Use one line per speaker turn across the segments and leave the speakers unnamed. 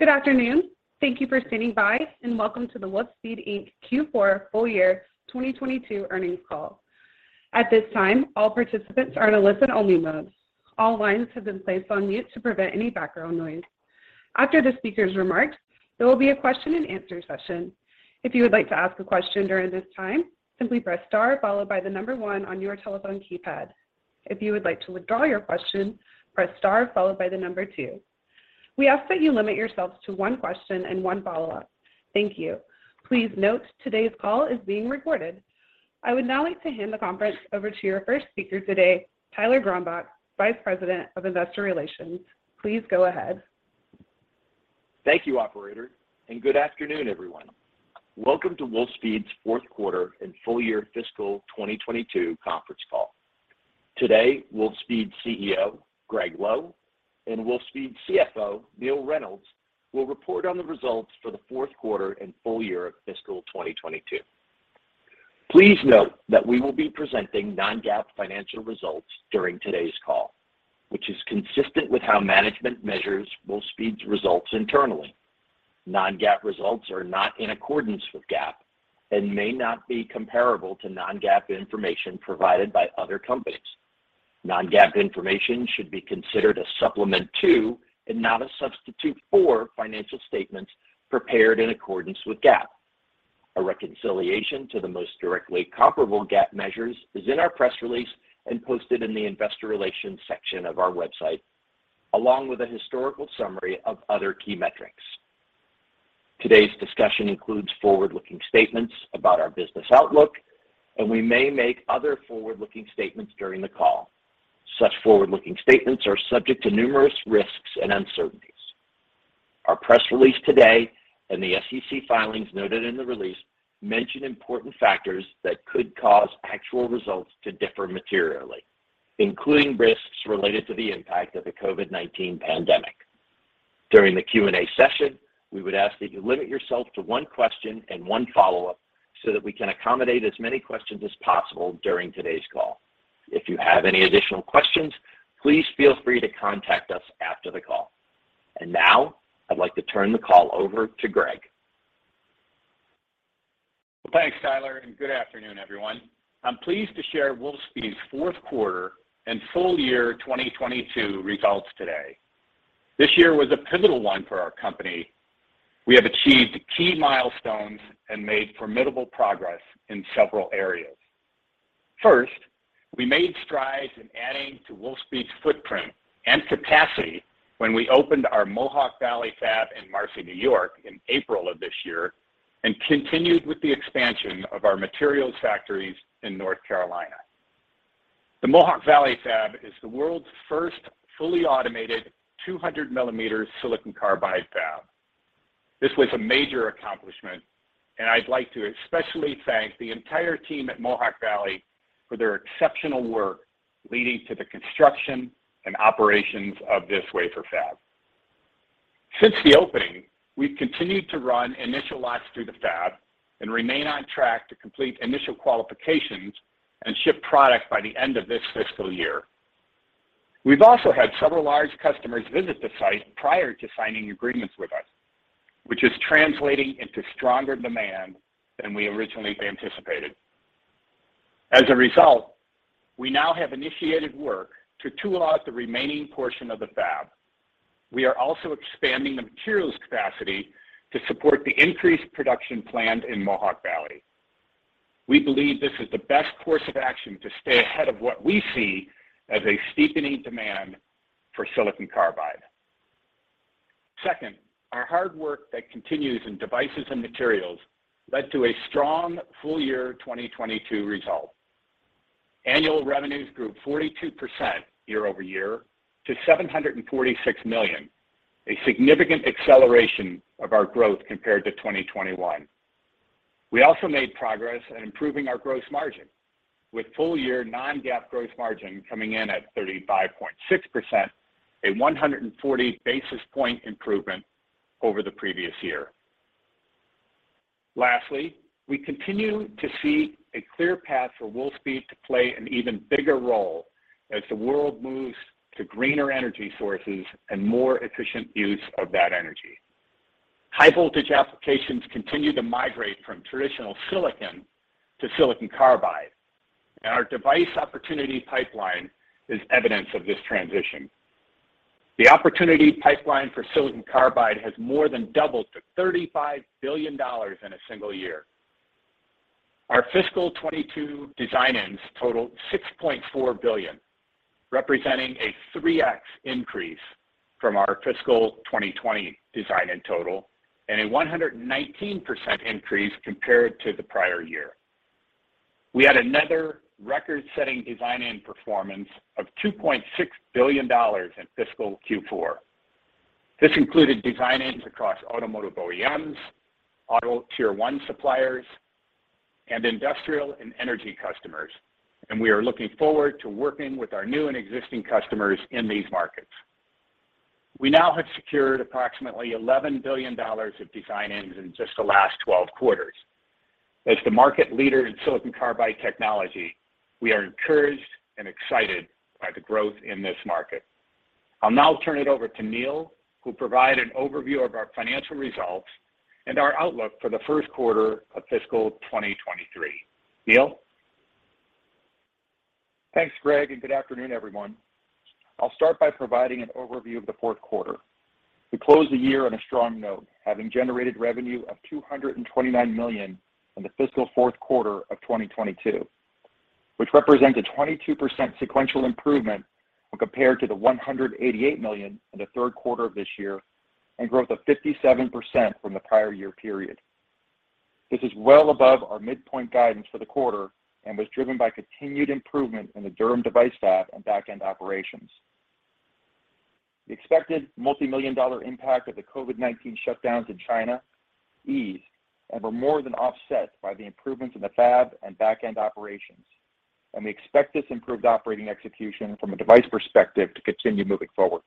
Good afternoon. Thank you for standing by, and welcome to the Wolfspeed, Inc. Q4 full-year 2022 earnings call. At this time, all participants are in a listen-only mode. All lines have been placed on mute to prevent any background noise. After the speaker's remarks, there will be a question-and-answer session. If you would like to ask a question during this time, simply press star followed by one on your telephone keypad. If you would like to withdraw your question, press star followed by two. We ask that you limit yourselves to one question and one follow-up. Thank you. Please note today's call is being recorded. I would now like to hand the conference over to your first speaker today, Tyler Gronbach, Vice President of Investor Relations. Please go ahead.
Thank you, operator, and good afternoon, everyone. Welcome to Wolfspeed's fourth quarter and full-year fiscal 2022 conference call. Today, Wolfspeed CEO Gregg Lowe and Wolfspeed CFO Neill Reynolds will report on the results for the fourth quarter and full-year of fiscal 2022. Please note that we will be presenting non-GAAP financial results during today's call, which is consistent with how management measures Wolfspeed's results internally. Non-GAAP results are not in accordance with GAAP and may not be comparable to non-GAAP information provided by other companies. Non-GAAP information should be considered a supplement to and not a substitute for financial statements prepared in accordance with GAAP. A reconciliation to the most directly comparable GAAP measures is in our press release and posted in the Investor Relations section of our website, along with a historical summary of other key metrics. Today's discussion includes forward-looking statements about our business outlook, and we may make other forward-looking statements during the call. Such forward-looking statements are subject to numerous risks and uncertainties. Our press release today and the SEC filings noted in the release mention important factors that could cause actual results to differ materially, including risks related to the impact of the COVID-19 pandemic. During the Q&A session, we would ask that you limit yourself to one question and one follow-up so that we can accommodate as many questions as possible during today's call. If you have any additional questions, please feel free to contact us after the call. Now, I'd like to turn the call over to Gregg.
Well, thanks, Tyler, and good afternoon, everyone. I'm pleased to share Wolfspeed's fourth quarter and full-year 2022 results today. This year was a pivotal one for our company. We have achieved key milestones and made formidable progress in several areas. First, we made strides in adding to Wolfspeed's footprint and capacity when we opened our Mohawk Valley Fab in Marcy, New York, in April of this year, and continued with the expansion of our materials factories in North Carolina. The Mohawk Valley Fab is the world's first fully automated 200mm silicon carbide fab. This was a major accomplishment, and I'd like to especially thank the entire team at Mohawk Valley for their exceptional work leading to the construction and operations of this wafer fab. Since the opening, we've continued to run initial lots through the fab and remain on track to complete initial qualifications and ship product by the end of this fiscal year. We've also had several large customers visit the site prior to signing agreements with us, which is translating into stronger demand than we originally anticipated. As a result, we now have initiated work to tool out the remaining portion of the fab. We are also expanding the materials capacity to support the increased production planned in Mohawk Valley. We believe this is the best course of action to stay ahead of what we see as a steepening demand for silicon carbide. Second, our hard work that continues in devices and materials led to a strong full-year 2022 result. Annual revenues grew 42% year-over-year to $746 million, a significant acceleration of our growth compared to 2021. We also made progress in improving our gross margin, with full-year non-GAAP gross margin coming in at 35.6%, a 140 basis point improvement over the previous year. Lastly, we continue to see a clear path for Wolfspeed to play an even bigger role as the world moves to greener energy sources and more efficient use of that energy. High-voltage applications continue to migrate from traditional silicon to silicon carbide, and our device opportunity pipeline is evidence of this transition. The opportunity pipeline for silicon carbide has more than doubled to $35 billion in a single year. Our fiscal 2022 design-ins totaled $6.4 billion, representing a 3x increase from our fiscal 2020 design-in total and a 119% increase compared to the prior year. We had another record-setting design-in performance of $2.6 billion in fiscal Q4. This included design-ins across automotive OEMs, auto tier-one suppliers, and industrial and energy customers, and we are looking forward to working with our new and existing customers in these markets. We now have secured approximately $11 billion of design-ins in just the last 12 quarters. As the market leader in silicon carbide technology, we are encouraged and excited by the growth in this market. I'll now turn it over to Neill, who provided an overview of our financial results and our outlook for the first quarter of fiscal 2023. Neill?
Thanks, Gregg, and good afternoon, everyone. I'll start by providing an overview of the fourth quarter. We closed the year on a strong note, having generated revenue of $229 million in the fiscal fourth quarter of 2022, which represents a 22% sequential improvement when compared to the $188 million in the third quarter of this year and growth of 57% from the prior year period. This is well above our midpoint guidance for the quarter and was driven by continued improvement in the Durham device fab and backend operations. The expected multimillion-dollar impact of the COVID-19 shutdowns in China eased and were more than offset by the improvements in the fab and backend operations, and we expect this improved operating execution from a device perspective to continue moving forward.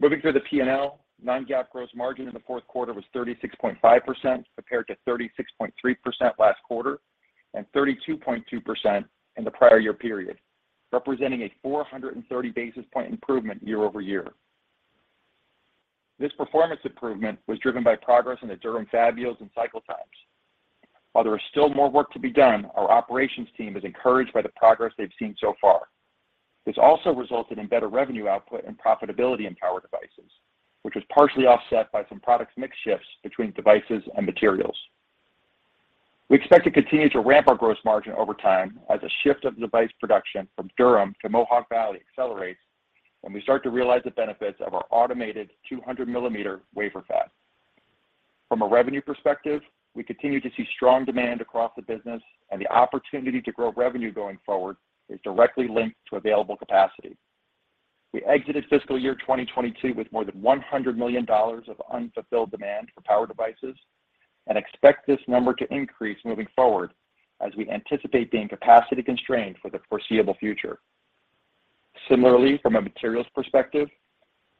Moving through the P&L, non-GAAP gross margin in the fourth quarter was 36.5% compared to 36.3% last quarter and 32.2% in the prior year period, representing a 430 basis point improvement year-over-year. This performance improvement was driven by progress in the Durham fab yields and cycle times. While there is still more work to be done, our operations team is encouraged by the progress they've seen so far. This also resulted in better revenue output and profitability in power devices, which was partially offset by some product mix shifts between devices and materials. We expect to continue to ramp our gross margin over time as a shift of device production from Durham to Mohawk Valley accelerates, and we start to realize the benefits of our automated 200mm wafer fab. From a revenue perspective, we continue to see strong demand across the business, and the opportunity to grow revenue going forward is directly linked to available capacity. We exited fiscal year 2022 with more than $100 million of unfulfilled demand for power devices and expect this number to increase moving forward as we anticipate being capacity-constrained for the foreseeable future. Similarly, from a materials perspective,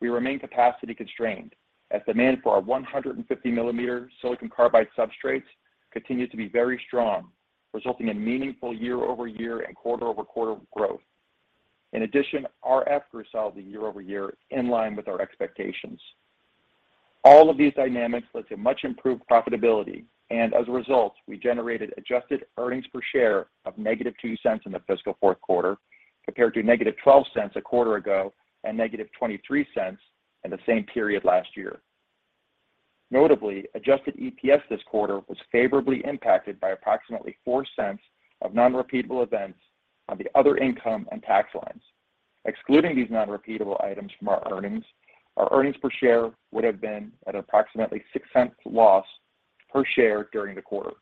we remain capacity-constrained as demand for our 150mm silicon carbide substrates continues to be very strong, resulting in meaningful year-over-year and quarter-over-quarter growth. In addition, RF grew solidly year-over-year in line with our expectations. All of these dynamics led to much improved profitability, and as a result, we generated adjusted earnings per share of -$0.02 in the fiscal fourth quarter compared to -$0.12 a quarter ago and -$0.23 in the same period last year. Notably, adjusted EPS this quarter was favorably impacted by approximately $0.04 of non-repeatable events on the other income and tax lines. Excluding these non-repeatable items from our earnings, our earnings per share would have been at approximately $0.06 loss per share during the quarter.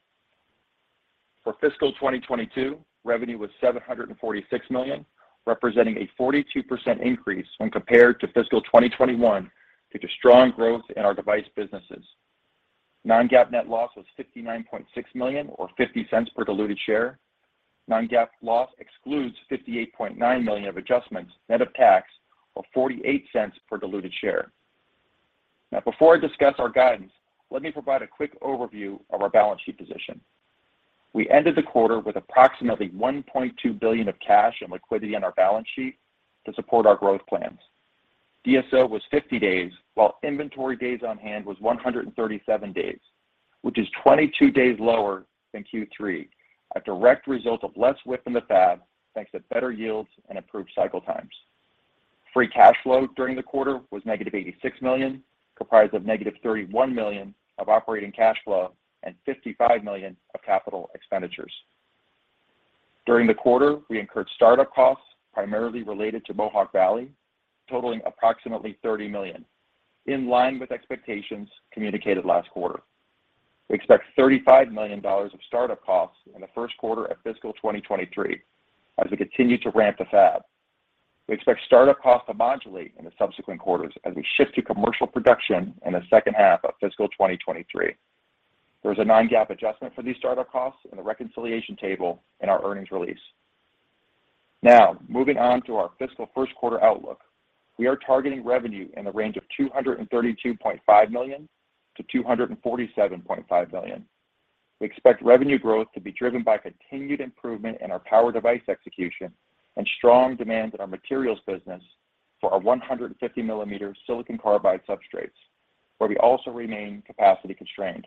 For fiscal 2022, revenue was $746 million, representing a 42% increase when compared to fiscal 2021 due to strong growth in our device businesses. Non-GAAP net loss was $59.6 million or $0.50 per diluted share. Non-GAAP loss excludes $58.9 million of adjustments net of tax or $0.48 per diluted share. Now, before I discuss our guidance, let me provide a quick overview of our balance sheet position. We ended the quarter with approximately $1.2 billion of cash and liquidity on our balance sheet to support our growth plans. DSO was 50 days, while inventory days on hand was 137 days, which is 22 days lower than Q3, a direct result of less WIP in the fab thanks to better yields and improved cycle times. Free cash flow during the quarter was -$86 million, comprised of -$31 million of operating cash flow and $55 million of capital expenditures. During the quarter, we incurred startup costs primarily related to Mohawk Valley, totaling approximately $30 million, in line with expectations communicated last quarter. We expect $35 million of startup costs in the first quarter of fiscal 2023 as we continue to ramp the fab. We expect startup costs to modulate in the subsequent quarters as we shift to commercial production in the second half of fiscal 2023. There was a non-GAAP adjustment for these startup costs in the reconciliation table in our earnings release. Now, moving on to our fiscal first quarter outlook, we are targeting revenue in the range of $232.5 million-$247.5 million. We expect revenue growth to be driven by continued improvement in our power device execution and strong demand in our materials business for our 150mm silicon carbide substrates, where we also remain capacity-constrained.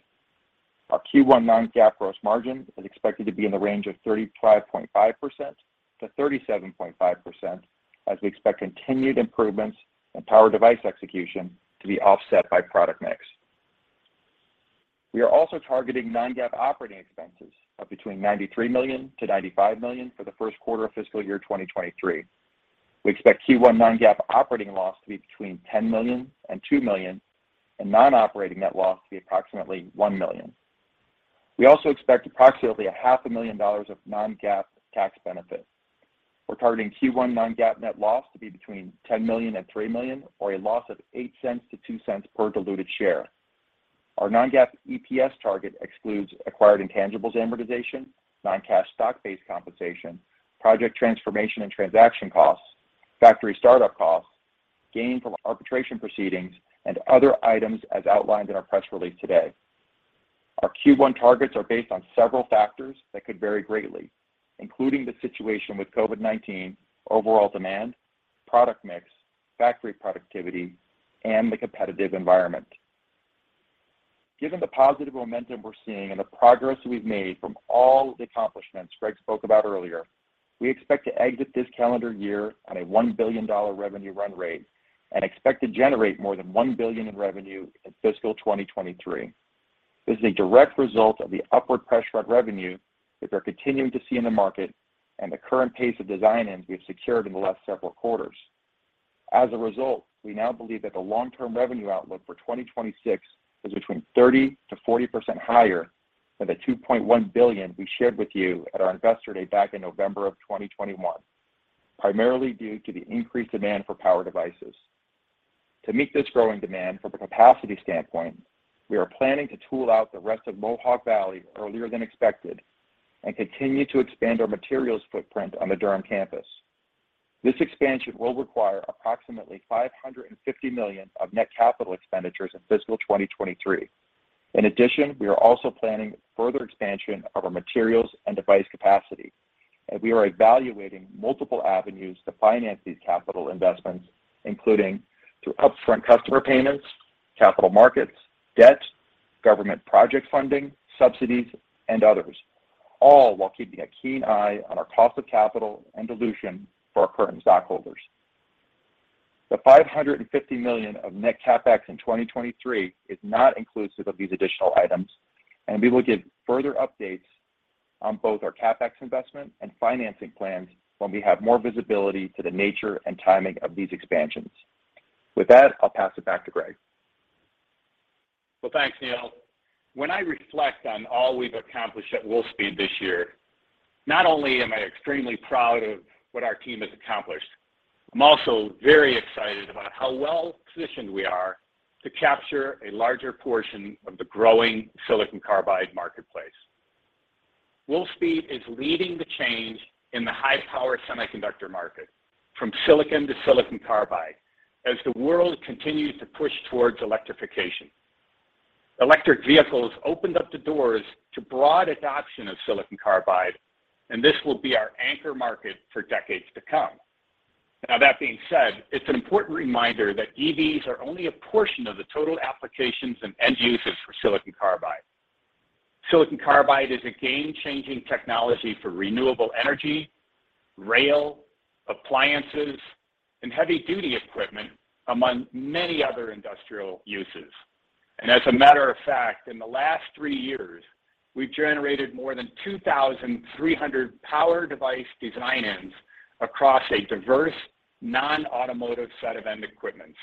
Our Q1 non-GAAP gross margin is expected to be in the range of 35.5%-37.5% as we expect continued improvements in power device execution to be offset by product mix. We are also targeting non-GAAP operating expenses of between $93 million-$95 million for the first quarter of fiscal year 2023. We expect Q1 non-GAAP operating loss to be between $10 million and $2 million, and non-operating net loss to be approximately $1 million. We also expect approximately half a million dollars of non-GAAP tax benefit. We're targeting Q1 non-GAAP net loss to be between $10 million and $3 million or a loss of $0.08-$0.02 per diluted share. Our non-GAAP EPS target excludes acquired intangibles amortization, non-cash stock-based compensation, project transformation and transaction costs, factory startup costs, gain from arbitration proceedings, and other items as outlined in our press release today. Our Q1 targets are based on several factors that could vary greatly, including the situation with COVID-19, overall demand, product mix, factory productivity, and the competitive environment. Given the positive momentum we're seeing and the progress we've made from all the accomplishments Gregg spoke about earlier, we expect to exit this calendar year on a $1 billion revenue run rate and expect to generate more than $1 billion in revenue in fiscal 2023. This is a direct result of the upward pressure on revenue that we're continuing to see in the market and the current pace of design-ins we have secured in the last several quarters. We now believe that the long-term revenue outlook for 2026 is between 30%-40% higher than the $2.1 billion we shared with you at our Investor Day back in November of 2021, primarily due to the increased demand for power devices. To meet this growing demand from a capacity standpoint, we are planning to tool out the rest of Mohawk Valley earlier than expected and continue to expand our materials footprint on the Durham campus. This expansion will require approximately $550 million of net capital expenditures in fiscal 2023. In addition, we are also planning further expansion of our materials and device capacity, and we are evaluating multiple avenues to finance these capital investments, including through upfront customer payments, capital markets, debt, government project funding, subsidies, and others, all while keeping a keen eye on our cost of capital and dilution for our current stockholders. The $550 million of net CapEx in 2023 is not inclusive of these additional items, and we will give further updates on both our CapEx investment and financing plans when we have more visibility to the nature and timing of these expansions. With that, I'll pass it back to Gregg.
Well, thanks, Neill. When I reflect on all we've accomplished at Wolfspeed this year, not only am I extremely proud of what our team has accomplished, I'm also very excited about how well-positioned we are to capture a larger portion of the growing silicon carbide marketplace. Wolfspeed is leading the change in the high-power semiconductor market from silicon to silicon carbide as the world continues to push towards electrification. Electric vehicles opened up the doors to broad adoption of silicon carbide, and this will be our anchor market for decades to come. Now, that being said, it's an important reminder that EVs are only a portion of the total applications and end uses for silicon carbide. Silicon carbide is a game-changing technology for renewable energy, rail, appliances, and heavy-duty equipment, among many other industrial uses. As a matter of fact, in the last three years, we've generated more than 2,300 power device design-ins across a diverse non-automotive set of end equipments,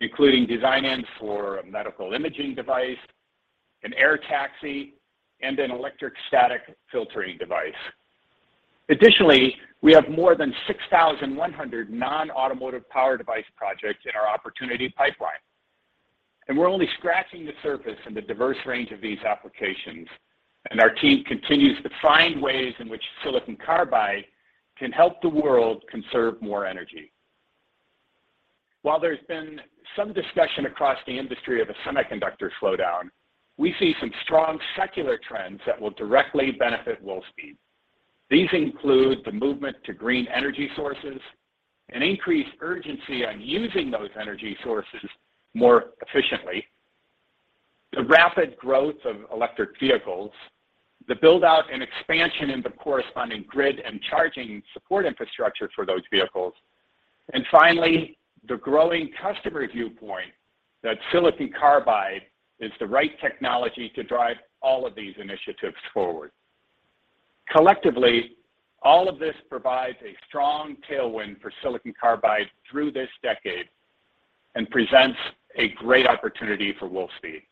including design-ins for a medical imaging device, an air taxi, and an electrostatic filtering device. Additionally, we have more than 6,100 non-automotive power device projects in our opportunity pipeline, and we're only scratching the surface in the diverse range of these applications, and our team continues to find ways in which silicon carbide can help the world conserve more energy. While there's been some discussion across the industry of a semiconductor slowdown, we see some strong secular trends that will directly benefit Wolfspeed. These include the movement to green energy sources, an increased urgency on using those energy sources more efficiently, the rapid growth of electric vehicles, the buildout and expansion in the corresponding grid and charging support infrastructure for those vehicles, and finally, the growing customer viewpoint that silicon carbide is the right technology to drive all of these initiatives forward. Collectively, all of this provides a strong tailwind for silicon carbide through this decade and presents a great opportunity for Wolfspeed.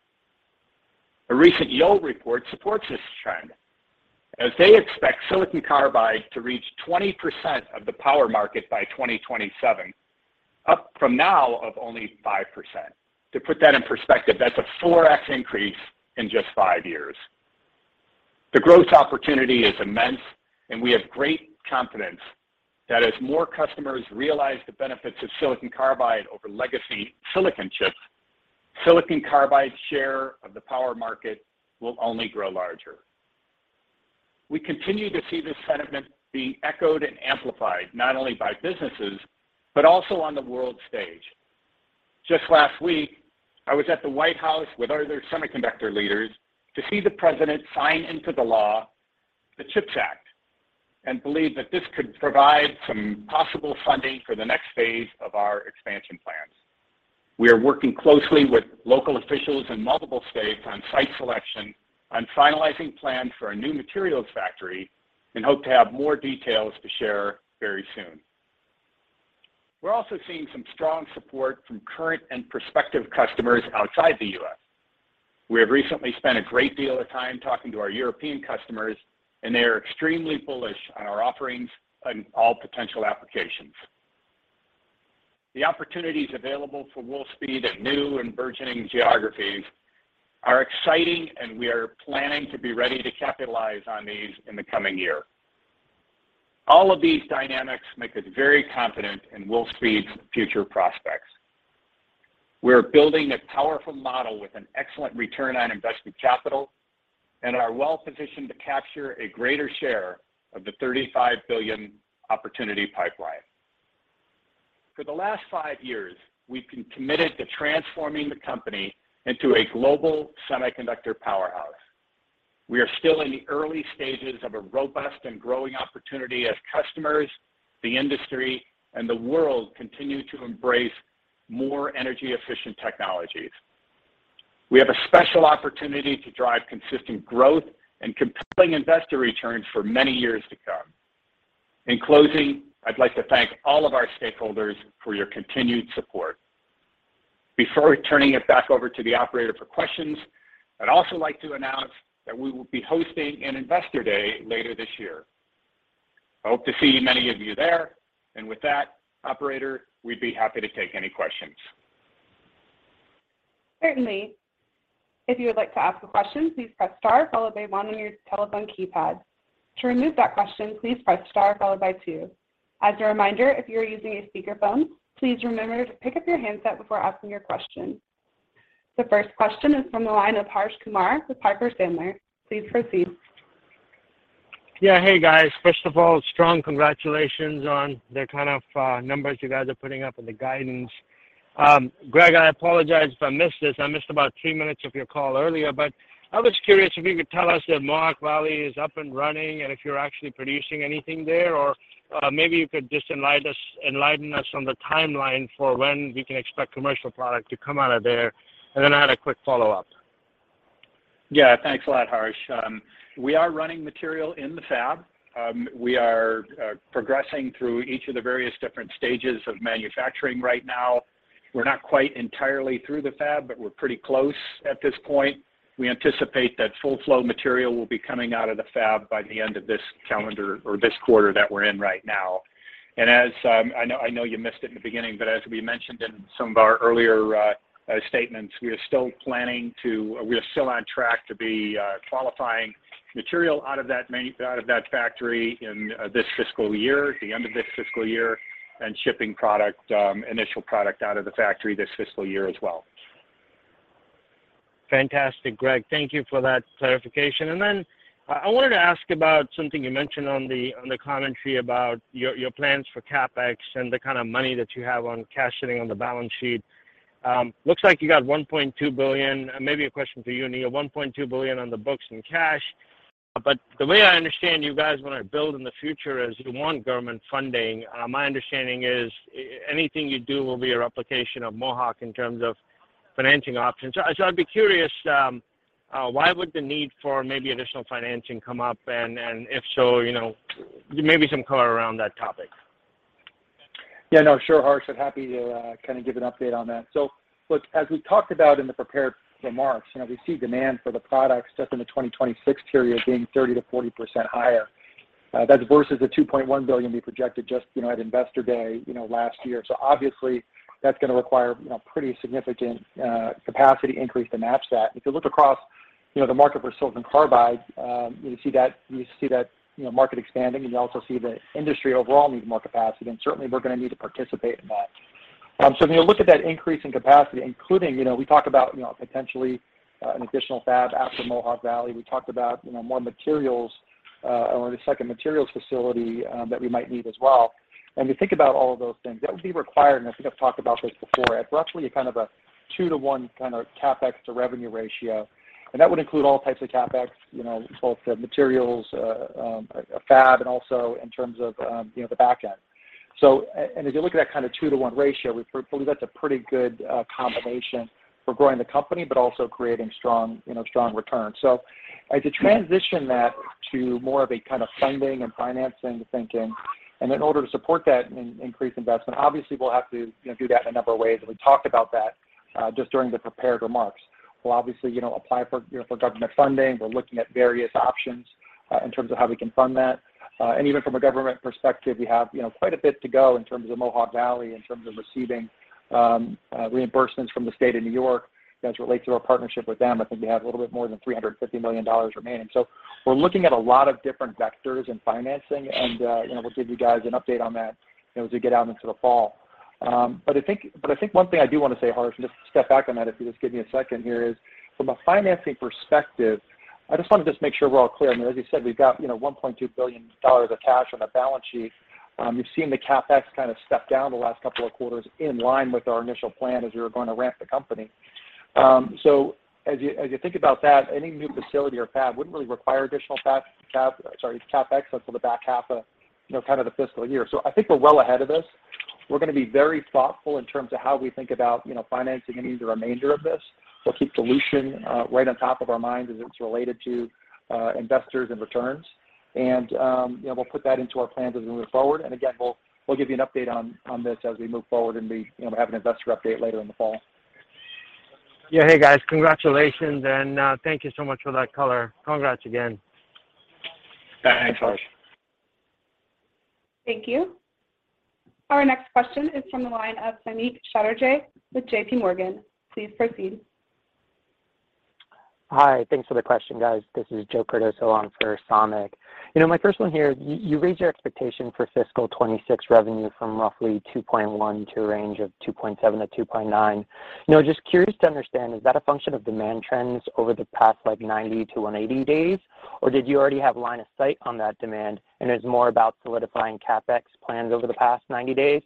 A recent Yole report supports this trend as they expect silicon carbide to reach 20% of the power market by 2027, up from now of only 5%. To put that in perspective, that's a 4x increase in just five years. The growth opportunity is immense, and we have great confidence that as more customers realize the benefits of silicon carbide over legacy silicon chips, silicon carbide share of the power market will only grow larger. We continue to see this sentiment being echoed and amplified not only by businesses but also on the world stage. Just last week, I was at the White House with other semiconductor leaders to see the president sign into the law, the CHIPS Act, and believe that this could provide some possible funding for the next phase of our expansion plans. We are working closely with local officials in multiple states on site selection, on finalizing plans for a new materials factory, and hope to have more details to share very soon. We're also seeing some strong support from current and prospective customers outside the U.S. We have recently spent a great deal of time talking to our European customers, and they are extremely bullish on our offerings in all potential applications. The opportunities available for Wolfspeed in new and burgeoning geographies are exciting, and we are planning to be ready to capitalize on these in the coming year. All of these dynamics make us very confident in Wolfspeed's future prospects. We're building a powerful model with an excellent return on invested capital and are well-positioned to capture a greater share of the $35 billion opportunity pipeline. For the last five years, we've been committed to transforming the company into a global semiconductor powerhouse. We are still in the early stages of a robust and growing opportunity as customers, the industry, and the world continue to embrace more energy-efficient technologies. We have a special opportunity to drive consistent growth and compelling investor returns for many years to come. In closing, I'd like to thank all of our stakeholders for your continued support. Before turning it back over to the operator for questions, I'd also like to announce that we will be hosting an Investor Day later this year. I hope to see many of you there, and with that, operator, we'd be happy to take any questions.
Certainly. If you would like to ask a question, please press star followed by one on your telephone keypad. To remove that question, please press star followed by two. As a reminder, if you are using a speakerphone, please remember to pick up your handset before asking your question. The first question is from the line of Harsh Kumar with Piper Sandler. Please proceed.
Yeah, hey, guys. First of all, strong congratulations on the kind of numbers you guys are putting up and the guidance. Gregg, I apologize if I missed this. I missed about three minutes of your call earlier, but I was curious if you could tell us that Mohawk Valley is up and running and if you're actually producing anything there, or maybe you could just enlighten us on the timeline for when we can expect commercial product to come out of there, and then I had a quick follow-up.
Yeah, thanks a lot, Harsh. We are running material in the fab. We are progressing through each of the various different stages of manufacturing right now. We're not quite entirely through the fab, but we're pretty close at this point. We anticipate that full-flow material will be coming out of the fab by the end of this calendar or this quarter that we're in right now. As I know you missed it in the beginning, but as we mentioned in some of our earlier statements, we are still on track to be qualifying material out of that factory in this fiscal year, the end of this fiscal year, and shipping initial product out of the factory this fiscal year as well.
Fantastic, Gregg. Thank you for that clarification. I wanted to ask about something you mentioned on the commentary about your plans for CapEx and the kind of money that you have on cash sitting on the balance sheet. Looks like you got $1.2 billion. Maybe a question for you, Neill. $1.2 billion on the books and cash. The way I understand you guys want to build in the future is you want government funding. My understanding is anything you do will be a replication of Mohawk in terms of financing options. I'd be curious, why would the need for maybe additional financing come up, and if so, maybe some color around that topic?
Yeah, no, sure, Harsh. I'd be happy to kind of give an update on that. Look, as we talked about in the prepared remarks, we see demand for the products just in the 2026 period being 30%-40% higher. That's versus the $2.1 billion we projected just at Investor Day last year. Obviously, that's going to require pretty significant capacity increase to match that. If you look across the market for silicon carbide, you see that market expanding, and you also see the industry overall need more capacity. Certainly, we're going to need to participate in that. When you look at that increase in capacity, including we talked about potentially an additional fab after Mohawk Valley. We talked about more materials or the second materials facility that we might need as well. You think about all of those things, that would be required and I think I've talked about this before. At roughly kind of a 2-to-1 kind of CapEx to revenue ratio, and that would include all types of CapEx, both the materials, a fab, and also in terms of the backend. If you look at that kind of 2-to-1 ratio, we believe that's a pretty good combination for growing the company but also creating strong returns. As you transition that to more of a kind of funding and financing thinking, and in order to support that increased investment, obviously, we'll have to do that in a number of ways. We talked about that just during the prepared remarks. We'll obviously apply for government funding. We're looking at various options in terms of how we can fund that. Even from a government perspective, we have quite a bit to go in terms of Mohawk Valley, in terms of receiving reimbursements from the state of New York as it relates to our partnership with them. I think we have a little bit more than $350 million remaining. We're looking at a lot of different vectors in financing, and we'll give you guys an update on that as we get out into the fall. I think one thing I do want to say, Harsh, and just step back on that if you just give me a second here, is from a financing perspective, I just want to just make sure we're all clear. As you said, we've got $1.2 billion of cash on the balance sheet. You've seen the CapEx kind of step down the last couple of quarters in line with our initial plan as we were going to ramp the company. As you think about that, any new facility or fab wouldn't really require additional CapEx until the back half of kind of the fiscal year. I think we're well ahead of this. We're going to be very thoughtful in terms of how we think about financing any of the remainder of this. We'll keep dilution right on top of our minds as it's related to investors and returns, and we'll put that into our plans as we move forward. Again, we'll give you an update on this as we move forward and we have an investor update later in the fall.
Yeah, hey, guys. Congratulations, and thank you so much for that color. Congrats again.
Thanks, Harsh.
Thank you. Our next question is from the line of Samik Chatterjee with JPMorgan. Please proceed.
Hi. Thanks for the question, guys. This is Joseph Cardoso from JPMorgan. My first one here, you raised your expectation for fiscal 2026 revenue from roughly $2.1 to a range of $2.7-$2.9. Just curious to understand, is that a function of demand trends over the past 90-180 days, or did you already have line of sight on that demand, and it was more about solidifying CapEx plans over the past 90 days?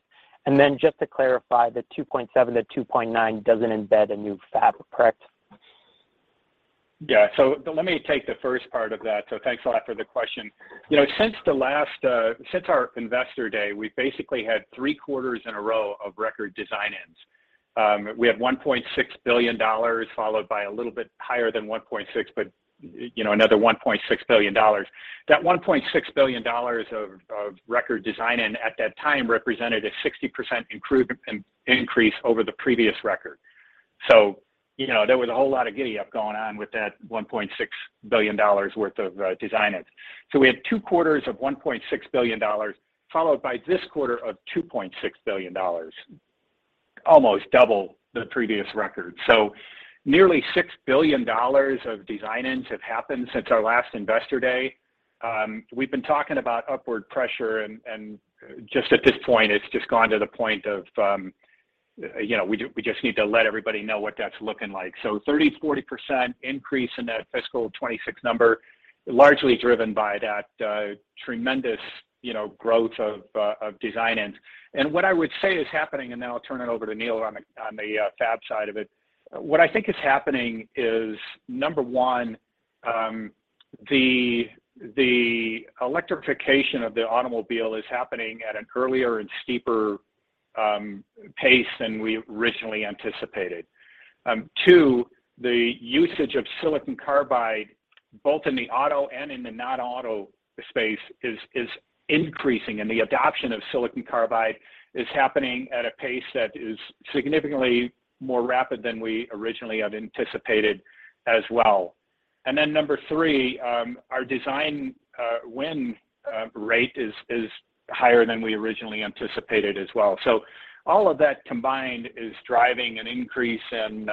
Just to clarify, the $2.7-$2.9 doesn't embed a new fab, correct?
Yeah, let me take the first part of that. Thanks a lot for the question. Since our Investor Day, we've basically had three quarters in a row of record design-ins. We had $1.6 billion followed by a little bit higher than $1.6 billion, but another $1.6 billion. That $1.6 billion of record design-in at that time represented a 60% increase over the previous record. There was a whole lot of giddy-up going on with that $1.6 billion worth of design-ins. We had two quarters of $1.6 billion followed by this quarter of $2.6 billion, almost double the previous record. Nearly $6 billion of design-ins have happened since our last Investor Day. We've been talking about upward pressure, and just at this point, it's just gone to the point of we just need to let everybody know what that's looking like. 30%-40% increase in that fiscal 2026 number, largely driven by that tremendous growth of design-ins. What I would say is happening, and then I'll turn it over to Neill on the fab side of it. What I think is happening is, number one, the electrification of the automobile is happening at an earlier and steeper pace than we originally anticipated. Two, the usage of silicon carbide, both in the auto and in the non-auto space, is increasing, and the adoption of silicon carbide is happening at a pace that is significantly more rapid than we originally had anticipated as well. Number three, our design win rate is higher than we originally anticipated as well. All of that combined is driving an increase in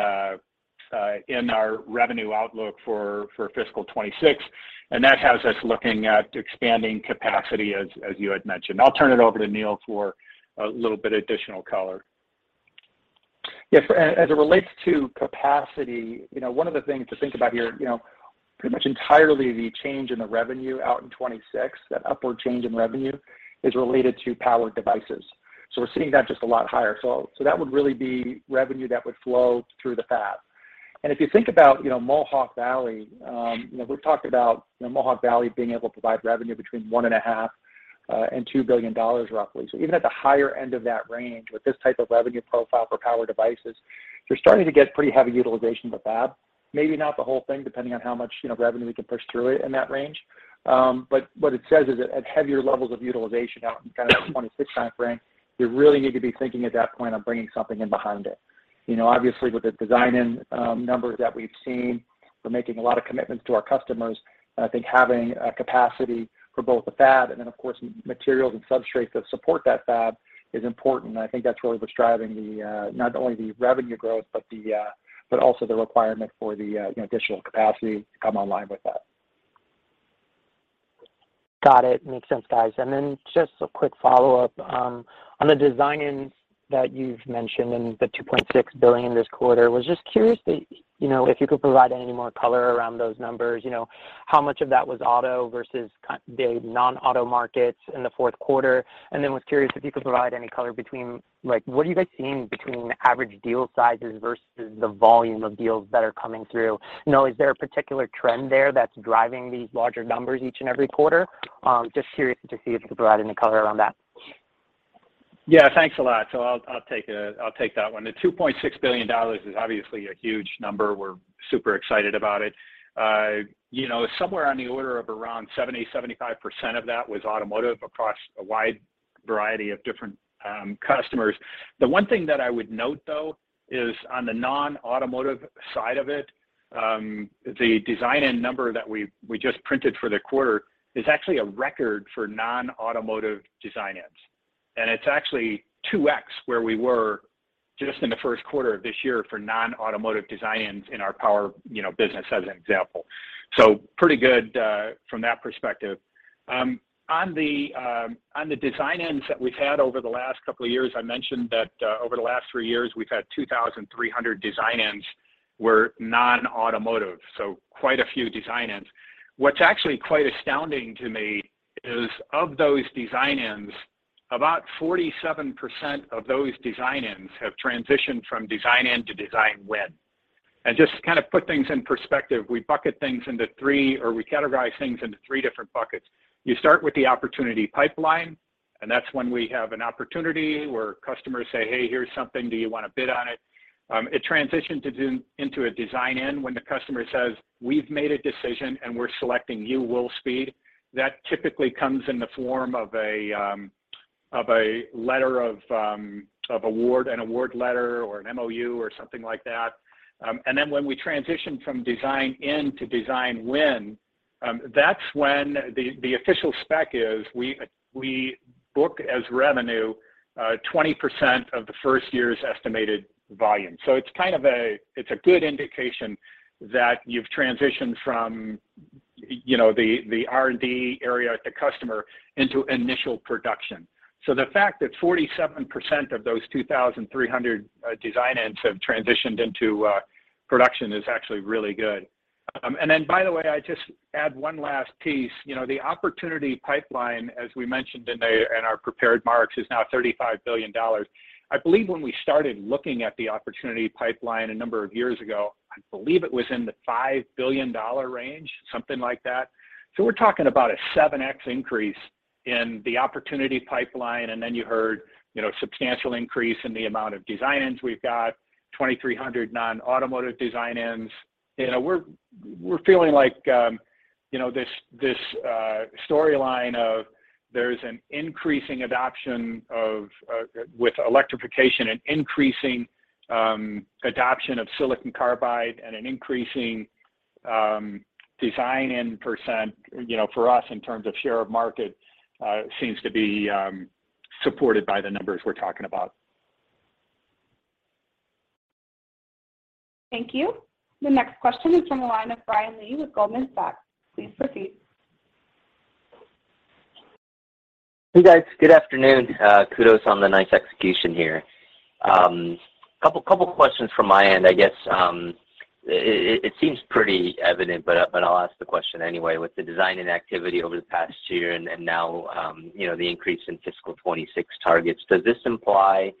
our revenue outlook for fiscal 2026, and that has us looking at expanding capacity, as you had mentioned. I'll turn it over to Neill for a little bit of additional color.
Yeah, as it relates to capacity, one of the things to think about here, pretty much entirely the change in the revenue out in 2026, that upward change in revenue, is related to power devices. We're seeing that just a lot higher. That would really be revenue that would flow through the fab. If you think about Mohawk Valley, we've talked about Mohawk Valley being able to provide revenue between $1.5 billion and $2 billion, roughly. Even at the higher end of that range with this type of revenue profile for power devices, you're starting to get pretty heavy utilization of the fab. Maybe not the whole thing, depending on how much revenue we can push through it in that range. What it says is that at heavier levels of utilization out in kind of the 2026 timeframe, you really need to be thinking at that point of bringing something in behind it. Obviously, with the design-in numbers that we've seen, we're making a lot of commitments to our customers. I think having capacity for both the fab and then, of course, materials and substrates that support that fab is important. I think that's really what's driving not only the revenue growth but also the requirement for the additional capacity to come online with that.
Got it. Makes sense, guys. Then just a quick follow-up. On the design-ins that you've mentioned and the $2.6 billion this quarter, I was just curious if you could provide any more color around those numbers. How much of that was auto versus the non-auto markets in the fourth quarter? Then I was curious if you could provide any color on what you guys are seeing between average deal sizes versus the volume of deals that are coming through? Is there a particular trend there that's driving these larger numbers each and every quarter? Just curious to see if you could provide any color around that.
Yeah, thanks a lot. I'll take that one. The $2.6 billion is obviously a huge number. We're super excited about it. Somewhere on the order of around 70%-75% of that was automotive across a wide variety of different customers. The one thing that I would note, though, is on the non-automotive side of it, the design-in number that we just printed for the quarter is actually a record for non-automotive design-ins. It's actually 2x where we were just in the first quarter of this year for non-automotive design-ins in our power business as an example. Pretty good from that perspective. On the design-ins that we've had over the last couple of years, I mentioned that over the last three years, we've had 2,300 design-ins were non-automotive, so quite a few design-ins. What's actually quite astounding to me is, of those design-ins, about 47% of those design-ins have transitioned from design-in to design-win. Just to kind of put things in perspective, we bucket things into three or we categorize things into three different buckets. You start with the opportunity pipeline, and that's when we have an opportunity where customers say, "Hey, here's something. Do you want to bid on it?" It transitions into a design-in when the customer says, "We've made a decision, and we're selecting you, Wolfspeed." That typically comes in the form of a letter of award, an award letter, or an MOU, or something like that. When we transition from design-in to design-win, that's when the official spec is we book as revenue 20% of the first year's estimated volume. It's kind of a good indication that you've transitioned from the R&D area at the customer into initial production. The fact that 47% of those 2,300 design-ins have transitioned into production is actually really good. Then, by the way, I'd just add one last piece. The opportunity pipeline, as we mentioned in our prepared remarks, is now $35 billion. I believe when we started looking at the opportunity pipeline a number of years ago, I believe it was in the $5 billion range, something like that. We're talking about a 7x increase in the opportunity pipeline, and then you heard a substantial increase in the amount of design-ins we've got, 2,300 non-automotive design-ins. We're feeling like this storyline of there's an increasing adoption with electrification, an increasing adoption of silicon carbide, and an increasing design-in percent for us in terms of share of market seems to be supported by the numbers we're talking about.
Thank you. The next question is from the line of Brian Lee with Goldman Sachs. Please proceed.
Hey, guys. Good afternoon. Kudos on the nice execution here. A couple of questions from my end. I guess it seems pretty evident, but I'll ask the question anyway. With the design-in activity over the past year and now the increase in fiscal 2026 targets, does this imply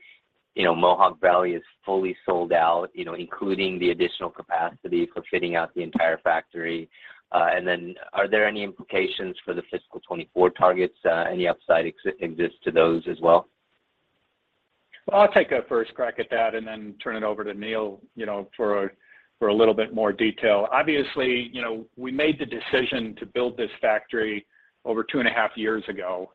Mohawk Valley is fully sold out, including the additional capacity for fitting out the entire factory? And then are there any implications for the fiscal 2024 targets? Any upside exists to those as well?
Well, I'll take a first crack at that and then turn it over to Neill for a little bit more detail. Obviously, we made the decision to build this factory over 2.5 years ago.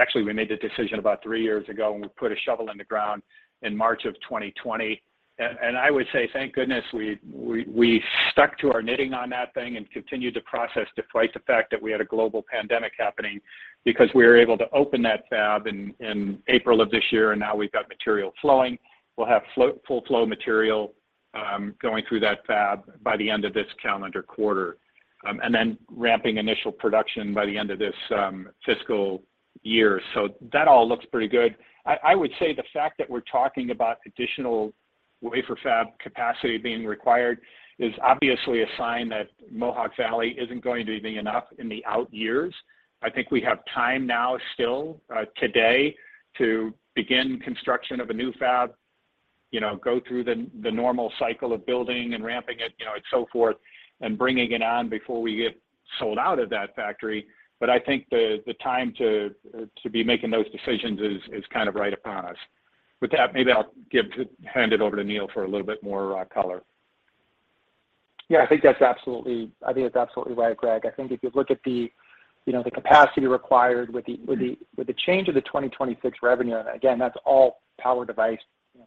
Actually, we made the decision about three years ago, and we put a shovel in the ground in March 2020. I would say, thank goodness, we stuck to our knitting on that thing and continued to process despite the fact that we had a global pandemic happening because we were able to open that fab in April of this year, and now we've got material flowing. We'll have full-flow material going through that fab by the end of this calendar quarter and then ramping initial production by the end of this fiscal year. That all looks pretty good. I would say the fact that we're talking about additional wafer fab capacity being required is obviously a sign that Mohawk Valley isn't going to be enough in the out years. I think we have time now still today to begin construction of a new fab, go through the normal cycle of building and ramping it and so forth, and bringing it on before we get sold out of that factory. I think the time to be making those decisions is kind of right upon us. With that, maybe I'll hand it over to Neill for a little bit more color.
Yeah, I think that's absolutely right, Gregg. I think if you look at the capacity required with the change of the 2026 revenue and again, that's all power device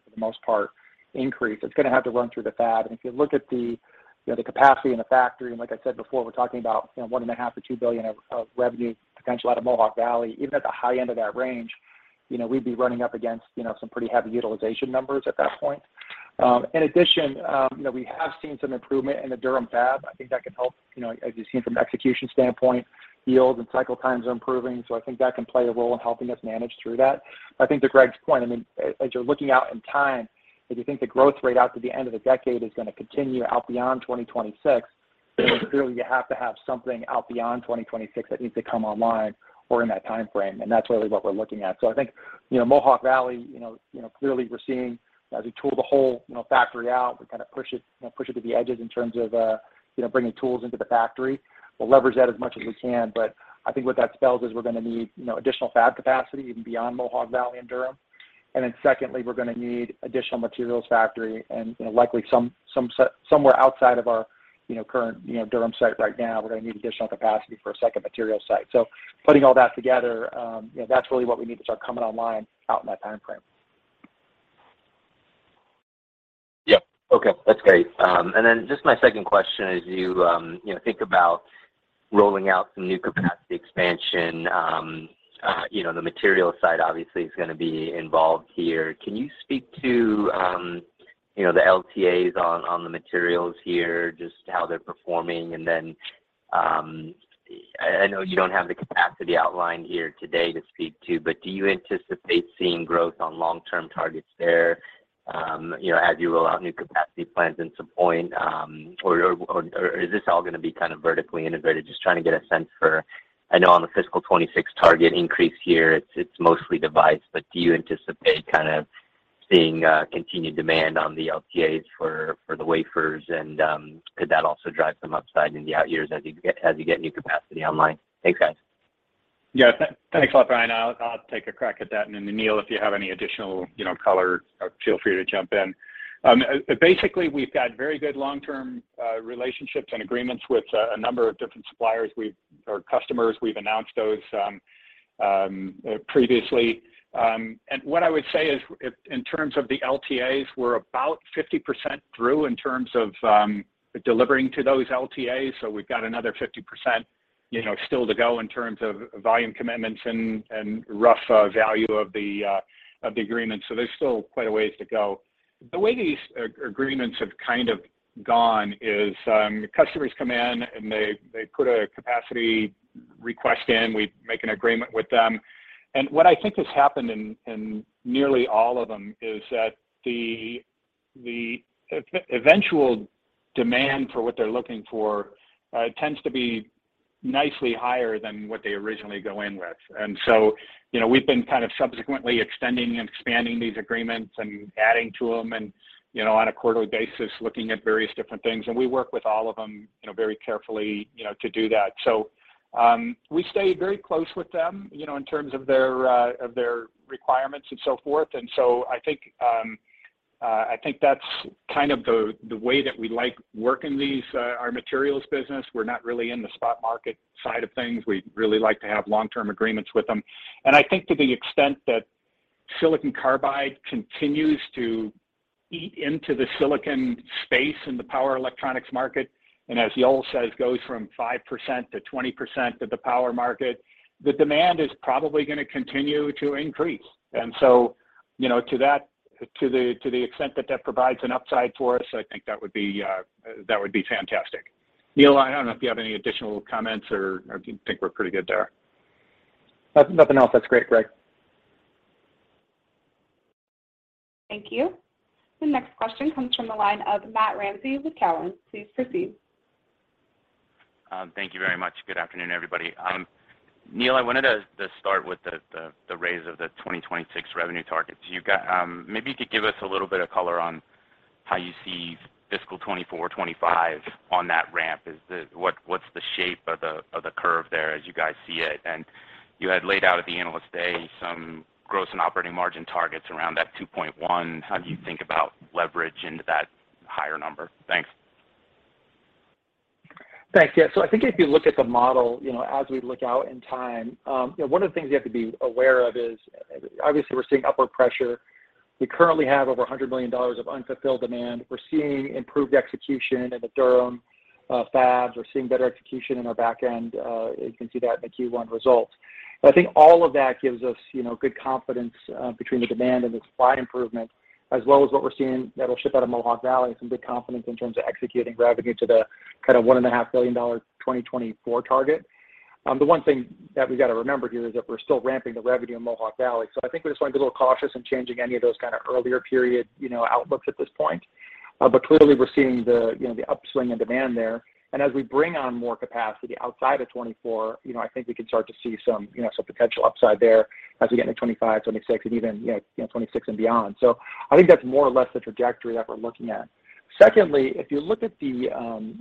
for the most part increase. It's going to have to run through the fab. If you look at the capacity in the factory, and like I said before, we're talking about $1.5 billion-$2 billion of revenue potential out of Mohawk Valley. Even at the high end of that range, we'd be running up against some pretty heavy utilization numbers at that point. In addition, we have seen some improvement in the Durham fab. I think that can help, as you've seen from an execution standpoint, yields and cycle times are improving. I think that can play a role in helping us manage through that. I think to Gregg's point, I mean, as you're looking out in time, if you think the growth rate out to the end of the decade is going to continue out beyond 2026, then clearly, you have to have something out beyond 2026 that needs to come online or in that timeframe. That's really what we're looking at. I think Mohawk Valley, clearly, we're seeing as we tool the whole factory out, we kind of push it to the edges in terms of bringing tools into the factory. We'll leverage that as much as we can. I think what that spells is we're going to need additional fab capacity even beyond Mohawk Valley and Durham. Secondly, we're going to need additional materials factory and likely somewhere outside of our current Durham site right now. We're going to need additional capacity for a second material site. Putting all that together, that's really what we need to start coming online out in that timeframe.
Yep. Okay. That's great. Just my second question is, as you think about rolling out some new capacity expansion, the materials side obviously is going to be involved here. Can you speak to the LTAs on the materials here, just how they're performing? I know you don't have the capacity outlined here today to speak to, but do you anticipate seeing growth on long-term targets there as you roll out new capacity plans at some point? Or is this all going to be kind of vertically integrated? Just trying to get a sense for I know on the fiscal 2026 target increase here, it's mostly device, but do you anticipate kind of seeing continued demand on the LTAs for the wafers, and could that also drive some upside in the out years as you get new capacity online? Thanks, guys.
Yeah. Thanks a lot, Brian. I'll take a crack at that. Then Neill, if you have any additional color, feel free to jump in. Basically, we've got very good long-term relationships and agreements with a number of different suppliers or customers. We've announced those previously. What I would say is, in terms of the LTAs, we're about 50% through in terms of delivering to those LTAs. We've got another 50% still to go in terms of volume commitments and rough value of the agreements. There's still quite a ways to go. The way these agreements have kind of gone is customers come in, and they put a capacity request in. We make an agreement with them. What I think has happened in nearly all of them is that the eventual demand for what they're looking for tends to be nicely higher than what they originally go in with. We've been kind of subsequently extending and expanding these agreements and adding to them and, on a quarterly basis, looking at various different things. We work with all of them very carefully to do that. We stay very close with them in terms of their requirements and so forth. I think that's kind of the way that we like working our materials business. We're not really in the spot market side of things. We'd really like to have long-term agreements with them. I think to the extent that silicon carbide continues to eat into the silicon space in the power electronics market and, as Yole says, goes from 5% to 20% of the power market, the demand is probably going to continue to increase. To the extent that that provides an upside for us, I think that would be fantastic. Neill, I don't know if you have any additional comments, or I think we're pretty good there.
Nothing else. That's great, Gregg.
Thank you. The next question comes from the line of Matt Ramsay with Cowen. Please proceed.
Thank you very much. Good afternoon, everybody. Neill, I wanted to start with the raise of the 2026 revenue targets. Maybe you could give us a little bit of color on how you see fiscal 2024, 2025 on that ramp. What's the shape of the curve there as you guys see it? You had laid out at the analyst day some gross and operating margin targets around that 2.1. How do you think about leverage into that higher number? Thanks.
Thanks. Yeah. I think if you look at the model as we look out in time, one of the things you have to be aware of is, obviously, we're seeing upward pressure. We currently have over $100 million of unfulfilled demand. We're seeing improved execution in the Durham fabs. We're seeing better execution in our backend. You can see that in the Q1 results. I think all of that gives us good confidence between the demand and the supply improvement, as well as what we're seeing that'll ship out of Mohawk Valley, some good confidence in terms of executing revenue to the kind of $1.5 billion 2024 target. The one thing that we've got to remember here is that we're still ramping the revenue in Mohawk Valley. I think we just want to be a little cautious in changing any of those kind of earlier period outlooks at this point. Clearly, we're seeing the upswing in demand there. As we bring on more capacity outside of 2024, I think we can start to see some potential upside there as we get into 2025, 2026, and even 2026 and beyond. I think that's more or less the trajectory that we're looking at. Secondly, if you look at the,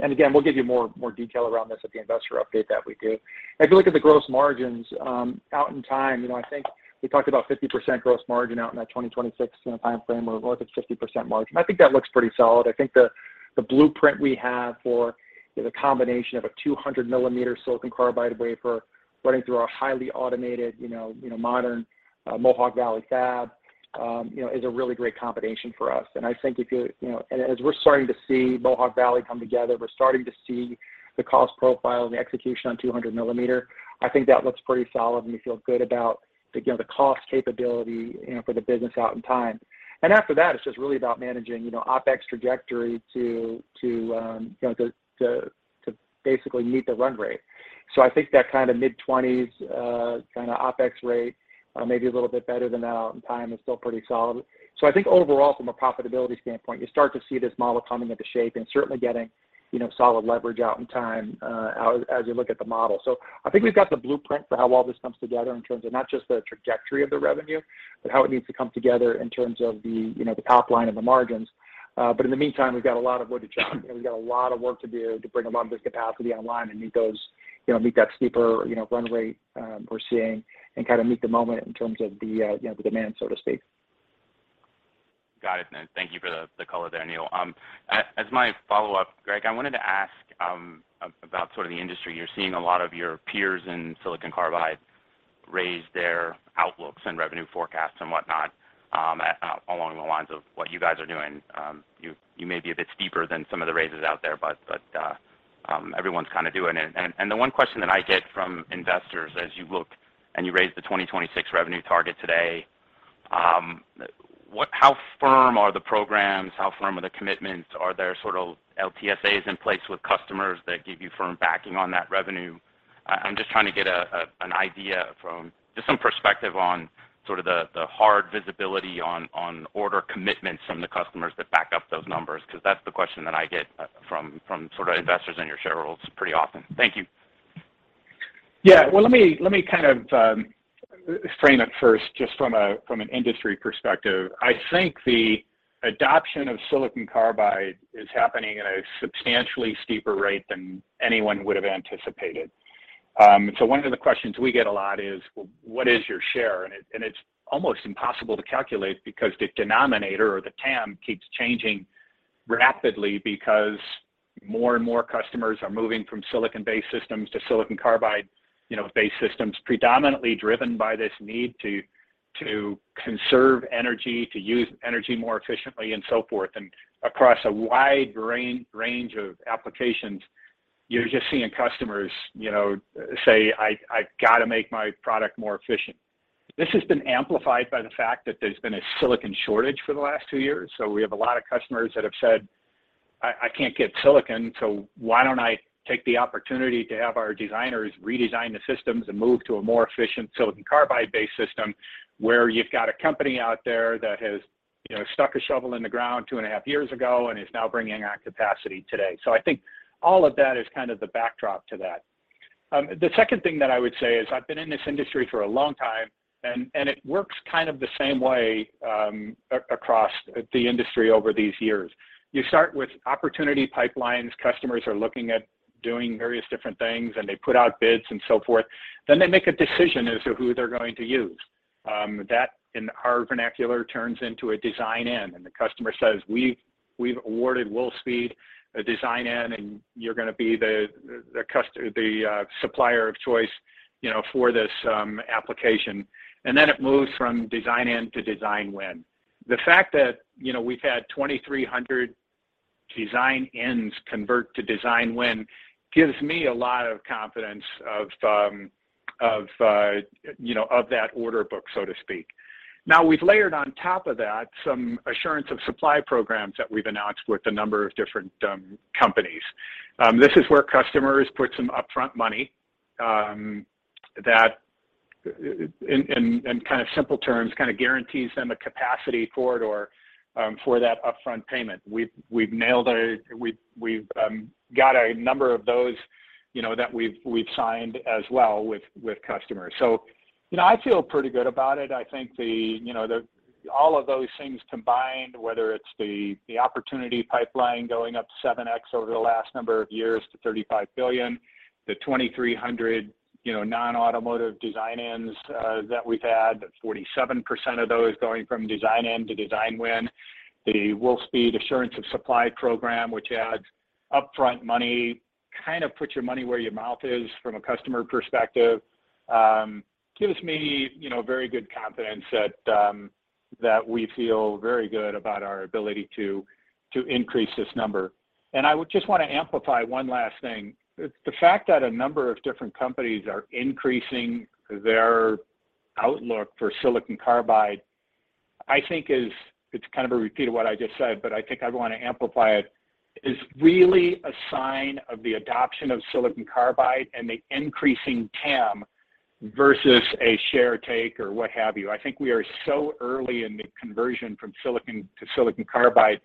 and again, we'll give you more detail around this at the investor update that we do. If you look at the gross margins out in time, I think we talked about 50% gross margin out in that 2026 timeframe. We're looking at 50% margin. I think that looks pretty solid. I think the blueprint we have for the combination of a 200mm silicon carbide wafer running through our highly automated, modern Mohawk Valley fab is a really great combination for us. I think if you and as we're starting to see Mohawk Valley come together, we're starting to see the cost profile and the execution on 200mm, I think that looks pretty solid, and we feel good about the cost capability for the business out in time. After that, it's just really about managing OPEX trajectory to basically meet the run rate. I think that kind of mid-20s kind of OPEX rate, maybe a little bit better than that out in time, is still pretty solid. I think overall, from a profitability standpoint, you start to see this model coming into shape and certainly getting solid leverage out in time as you look at the model. I think we've got the blueprint for how all this comes together in terms of not just the trajectory of the revenue, but how it needs to come together in terms of the top line and the margins. In the meantime, we've got a lot of wood to chop. We've got a lot of work to do to bring a lot of this capacity online and meet that steeper run rate we're seeing and kind of meet the moment in terms of the demand, so to speak.
Got it. Thank you for the color there, Neill. As my follow-up, Gregg, I wanted to ask about sort of the industry. You're seeing a lot of your peers in silicon carbide raise their outlooks and revenue forecasts and whatnot along the lines of what you guys are doing. You may be a bit steeper than some of the raises out there, but everyone's kind of doing it. The one question that I get from investors, as you look and you raise the 2026 revenue target today, how firm are the programs? How firm are the commitments? Are there sort of LTSAs in place with customers that give you firm backing on that revenue? I'm just trying to get an idea from just some perspective on sort of the hard visibility on order commitments from the customers that back up those numbers because that's the question that I get from sort of investors and your shareholders pretty often. Thank you.
Yeah. Well, let me kind of frame it first just from an industry perspective. I think the adoption of silicon carbide is happening at a substantially steeper rate than anyone would have anticipated. One of the questions we get a lot is, "What is your share?" It's almost impossible to calculate because the denominator or the TAM keeps changing rapidly because more and more customers are moving from silicon-based systems to silicon-carbide-based systems, predominantly driven by this need to conserve energy, to use energy more efficiently, and so forth. Across a wide range of applications, you're just seeing customers say, "I've got to make my product more efficient." This has been amplified by the fact that there's been a silicon shortage for the last two years. We have a lot of customers that have said, "I can't get silicon, so why don't I take the opportunity to have our designers redesign the systems and move to a more efficient silicon carbide-based system where you've got a company out there that has stuck a shovel in the ground two and a half years ago and is now bringing on capacity today?" I think all of that is kind of the backdrop to that. The second thing that I would say is, I've been in this industry for a long time, and it works kind of the same way across the industry over these years. You start with opportunity pipelines. Customers are looking at doing various different things, and they put out bids and so forth. Then they make a decision as to who they're going to use. That, in our vernacular, turns into a design-in. The customer says, "We've awarded Wolfspeed a design-in, and you're going to be the supplier of choice for this application." Then it moves from design-in to design-win. The fact that we've had 2,300 design-ins convert to design-win gives me a lot of confidence of that order book, so to speak. Now, we've layered on top of that some assurance of supply programs that we've announced with a number of different companies. This is where customers put some upfront money that, in kind of simple terms, kind of guarantees them a capacity corridor for that upfront payment. We've got a number of those that we've signed as well with customers. I feel pretty good about it. I think all of those things combined, whether it's the opportunity pipeline going up 7x over the last number of years to $35 billion, the 2,300 non-automotive design-ins that we've had, 47% of those going from design-in to design-win, the Wolfspeed Assurance of Supply Program, which adds upfront money, kind of puts your money where your mouth is from a customer perspective, gives me very good confidence that we feel very good about our ability to increase this number. I would just want to amplify one last thing. The fact that a number of different companies are increasing their outlook for silicon carbide, I think it's kind of a repeat of what I just said, but I think I want to amplify it, is really a sign of the adoption of silicon carbide and the increasing TAM versus a share take or what have you. I think we are so early in the conversion from silicon to silicon carbide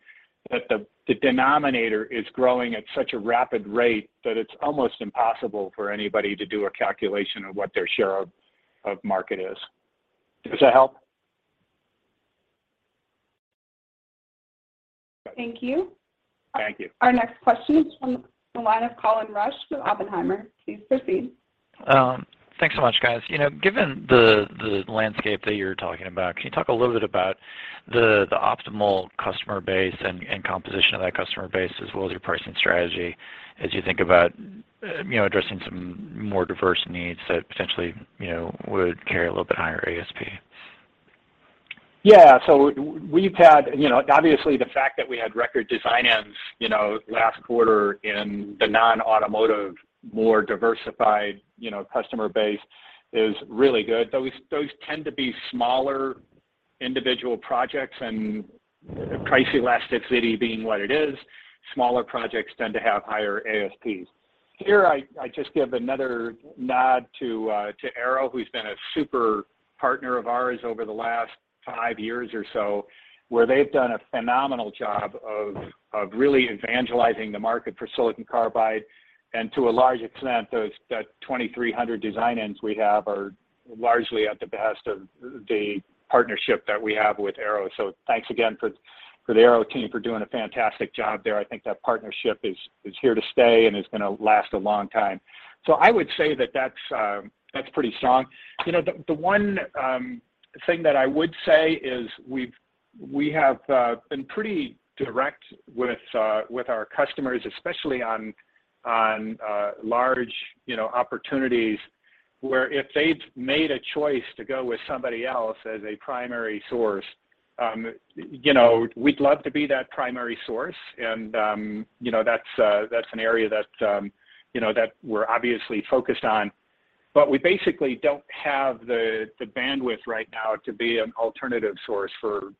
that the denominator is growing at such a rapid rate that it's almost impossible for anybody to do a calculation of what their share of market is. Does that help?
Thank you.
Thank you.
Our next question is from the line of Colin Rusch with Oppenheimer. Please proceed.
Thanks so much, guys. Given the landscape that you're talking about, can you talk a little bit about the optimal customer base and composition of that customer base, as well as your pricing strategy, as you think about addressing some more diverse needs that potentially would carry a little bit higher ASP?
Yeah. We've had obviously, the fact that we had record design-ins last quarter in the non-automotive, more diversified customer base is really good. Those tend to be smaller individual projects. Price elasticity being what it is, smaller projects tend to have higher ASPs. Here, I just give another nod to Arrow, who's been a super partner of ours over the last five years or so, where they've done a phenomenal job of really evangelizing the market for silicon carbide. To a large extent, those 2,300 design-ins we have are largely a testament to the partnership that we have with Arrow. Thanks again for the Arrow team for doing a fantastic job there. I think that partnership is here to stay and is going to last a long time. I would say that that's pretty strong. The one thing that I would say is we have been pretty direct with our customers, especially on large opportunities, where if they've made a choice to go with somebody else as a primary source, we'd love to be that primary source. That's an area that we're obviously focused on. We basically don't have the bandwidth right now to be an alternative source for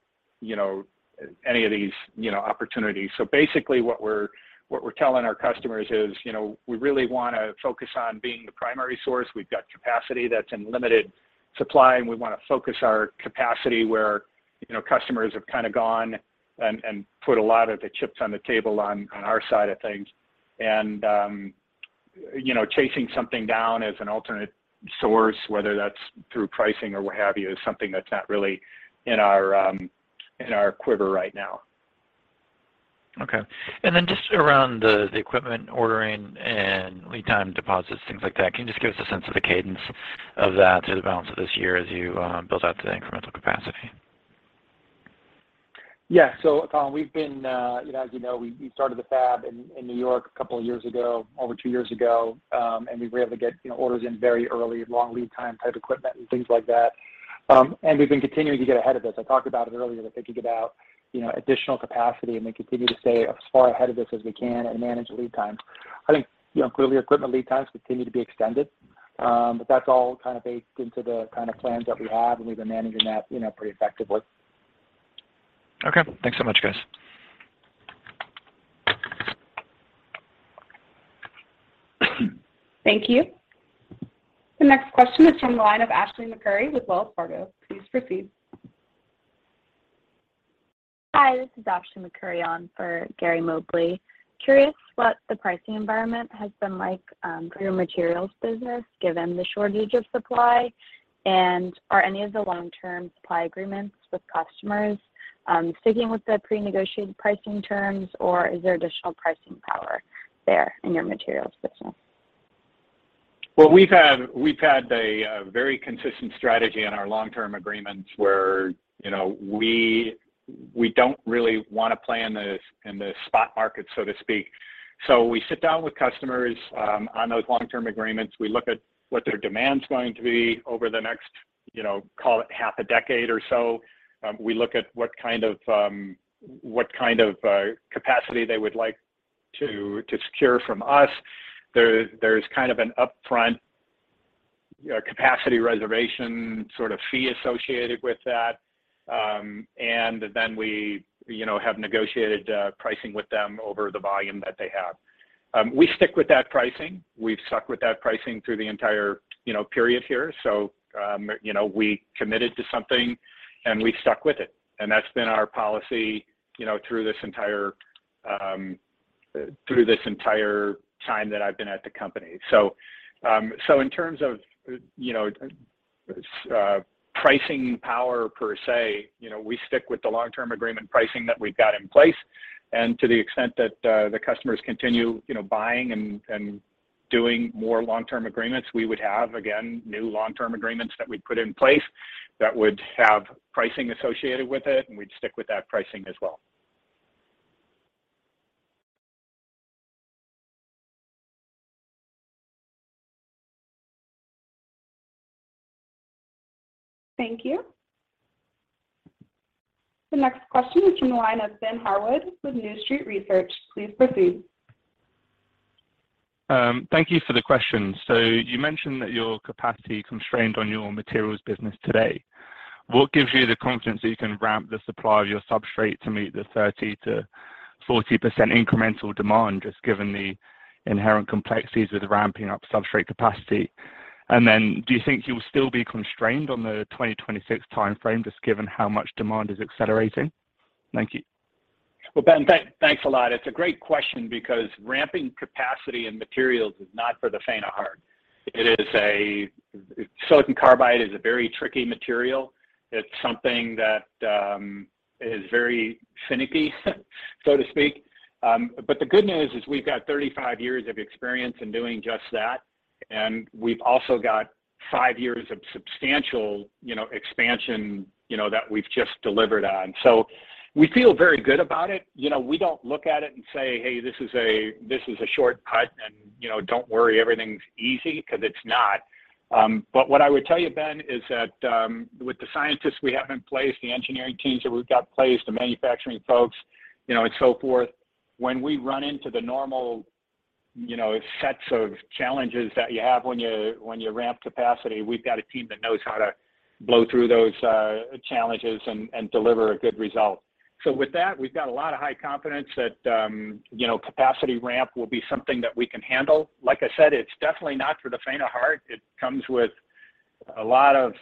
any of these opportunities. Basically, what we're telling our customers is, "We really want to focus on being the primary source. We've got capacity that's in limited supply, and we want to focus our capacity where customers have kind of gone and put a lot of the chips on the table on our side of things." Chasing something down as an alternate source, whether that's through pricing or what have you, is something that's not really in our quiver right now.
Okay. Just around the equipment ordering and lead time deposits, things like that, can you just give us a sense of the cadence of that through the balance of this year as you build out the incremental capacity?
Yeah. Colin, we've been as you know, we started the fab in New York a couple of years ago, over two years ago. We were able to get orders in very early, long lead time type equipment and things like that. We've been continuing to get ahead of this. I talked about it earlier that they could get out additional capacity, and they continue to stay as far ahead of this as we can and manage lead times. I think clearly, equipment lead times continue to be extended, but that's all kind of baked into the kind of plans that we have, and we've been managing that pretty effectively.
Okay. Thanks so much, guys.
Thank you. The next question is from the line of Ashley McCurry with Wells Fargo. Please proceed.
Hi. This is Ashley McCurry on for Gary Mobley. Curious what the pricing environment has been like for your materials business given the shortage of supply. Are any of the long-term supply agreements with customers sticking with the pre-negotiated pricing terms, or is there additional pricing power there in your materials business?
Well, we've had a very consistent strategy in our long-term agreements where we don't really want to play in the spot market, so to speak. We sit down with customers on those long-term agreements. We look at what their demand's going to be over the next, call it, half a decade or so. We look at what kind of capacity they would like to secure from us. There's kind of an upfront capacity reservation sort of fee associated with that. Then we have negotiated pricing with them over the volume that they have. We stick with that pricing. We've stuck with that pricing through the entire period here. We committed to something, and we stuck with it. That's been our policy through this entire time that I've been at the company. In terms of pricing power per se, we stick with the long-term agreement pricing that we've got in place. To the extent that the customers continue buying and doing more long-term agreements, we would have, again, new long-term agreements that we'd put in place that would have pricing associated with it, and we'd stick with that pricing as well.
Thank you. The next question is from the line of Ben Harwood with New Street Research. Please proceed.
Thank you for the question. You mentioned that your capacity constrained on your materials business today. What gives you the confidence that you can ramp the supply of your substrate to meet the 30%-40% incremental demand, just given the inherent complexities with ramping up substrate capacity? And then do you think you'll still be constrained on the 2026 timeframe, just given how much demand is accelerating? Thank you.
Well, Ben, thanks a lot. It's a great question because ramping capacity in materials is not for the faint of heart. Silicon carbide is a very tricky material. It's something that is very finicky, so to speak. The good news is we've got 35 years of experience in doing just that, and we've also got five years of substantial expansion that we've just delivered on. We feel very good about it. We don't look at it and say, "Hey, this is a short cut, and don't worry. Everything's easy," because it's not. What I would tell you, Ben, is that with the scientists we have in place, the engineering teams that we've got placed, the manufacturing folks, and so forth, when we run into the normal sets of challenges that you have when you ramp capacity, we've got a team that knows how to blow through those challenges and deliver a good result. With that, we've got a lot of high confidence that capacity ramp will be something that we can handle. Like I said, it's definitely not for the faint of heart. It comes with a lot of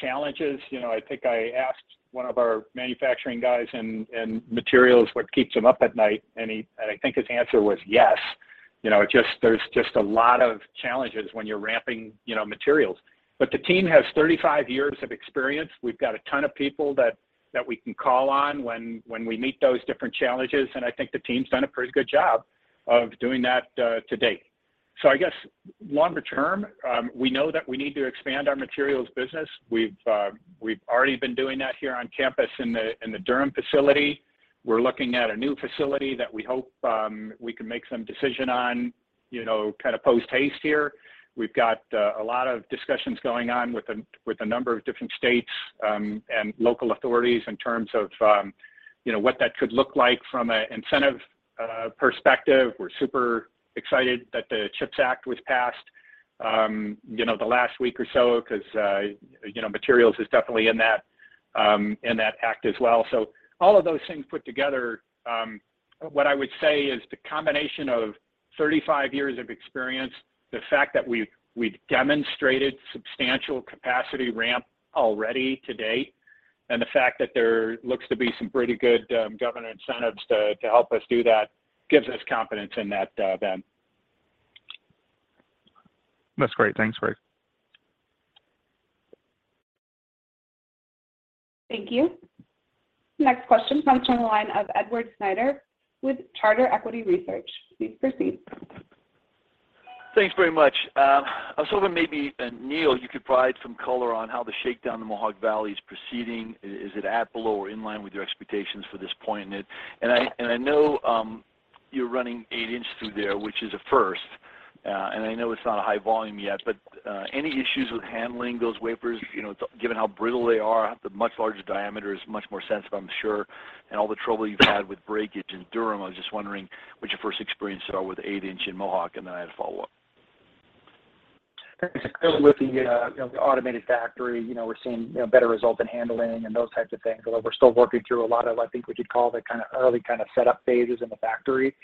challenges. I think I asked one of our manufacturing guys in materials what keeps him up at night, and I think his answer was yes. There's just a lot of challenges when you're ramping materials. The team has 35 years of experience. We've got a ton of people that we can call on when we meet those different challenges. I think the team's done a pretty good job of doing that to date. I guess longer term, we know that we need to expand our materials business. We've already been doing that here on campus in the Durham facility. We're looking at a new facility that we hope we can make some decision on kind of post-haste here. We've got a lot of discussions going on with a number of different states and local authorities in terms of what that could look like from an incentive perspective. We're super excited that the CHIPS Act was passed the last week or so because materials is definitely in that act as well. All of those things put together, what I would say is the combination of 35 years of experience, the fact that we've demonstrated substantial capacity ramp already to date, and the fact that there looks to be some pretty good government incentives to help us do that gives us confidence in that, Ben.
That's great. Thanks, Gregg.
Thank you. Next question comes from the line of Edward Snyder with Charter Equity Research. Please proceed.
Thanks very much. I was hoping maybe, Neill, you could provide some color on how the shakedown in the Mohawk Valley is proceeding. Is it at or below or in line with your expectations for this point in it? I know you're running 8-inch through there, which is a first. I know it's not a high volume yet, but any issues with handling those wafers, given how brittle they are, the much larger diameter is much more sensitive, I'm sure, and all the trouble you've had with breakage in Durham. I was just wondering what your first experiences are with 8-inch in Mohawk, and then I had a follow-up.
It's clearly with the automated factory. We're seeing better results in handling and those types of things, although we're still working through a lot of, I think we could call it, kind of early kind of setup phases in the factory.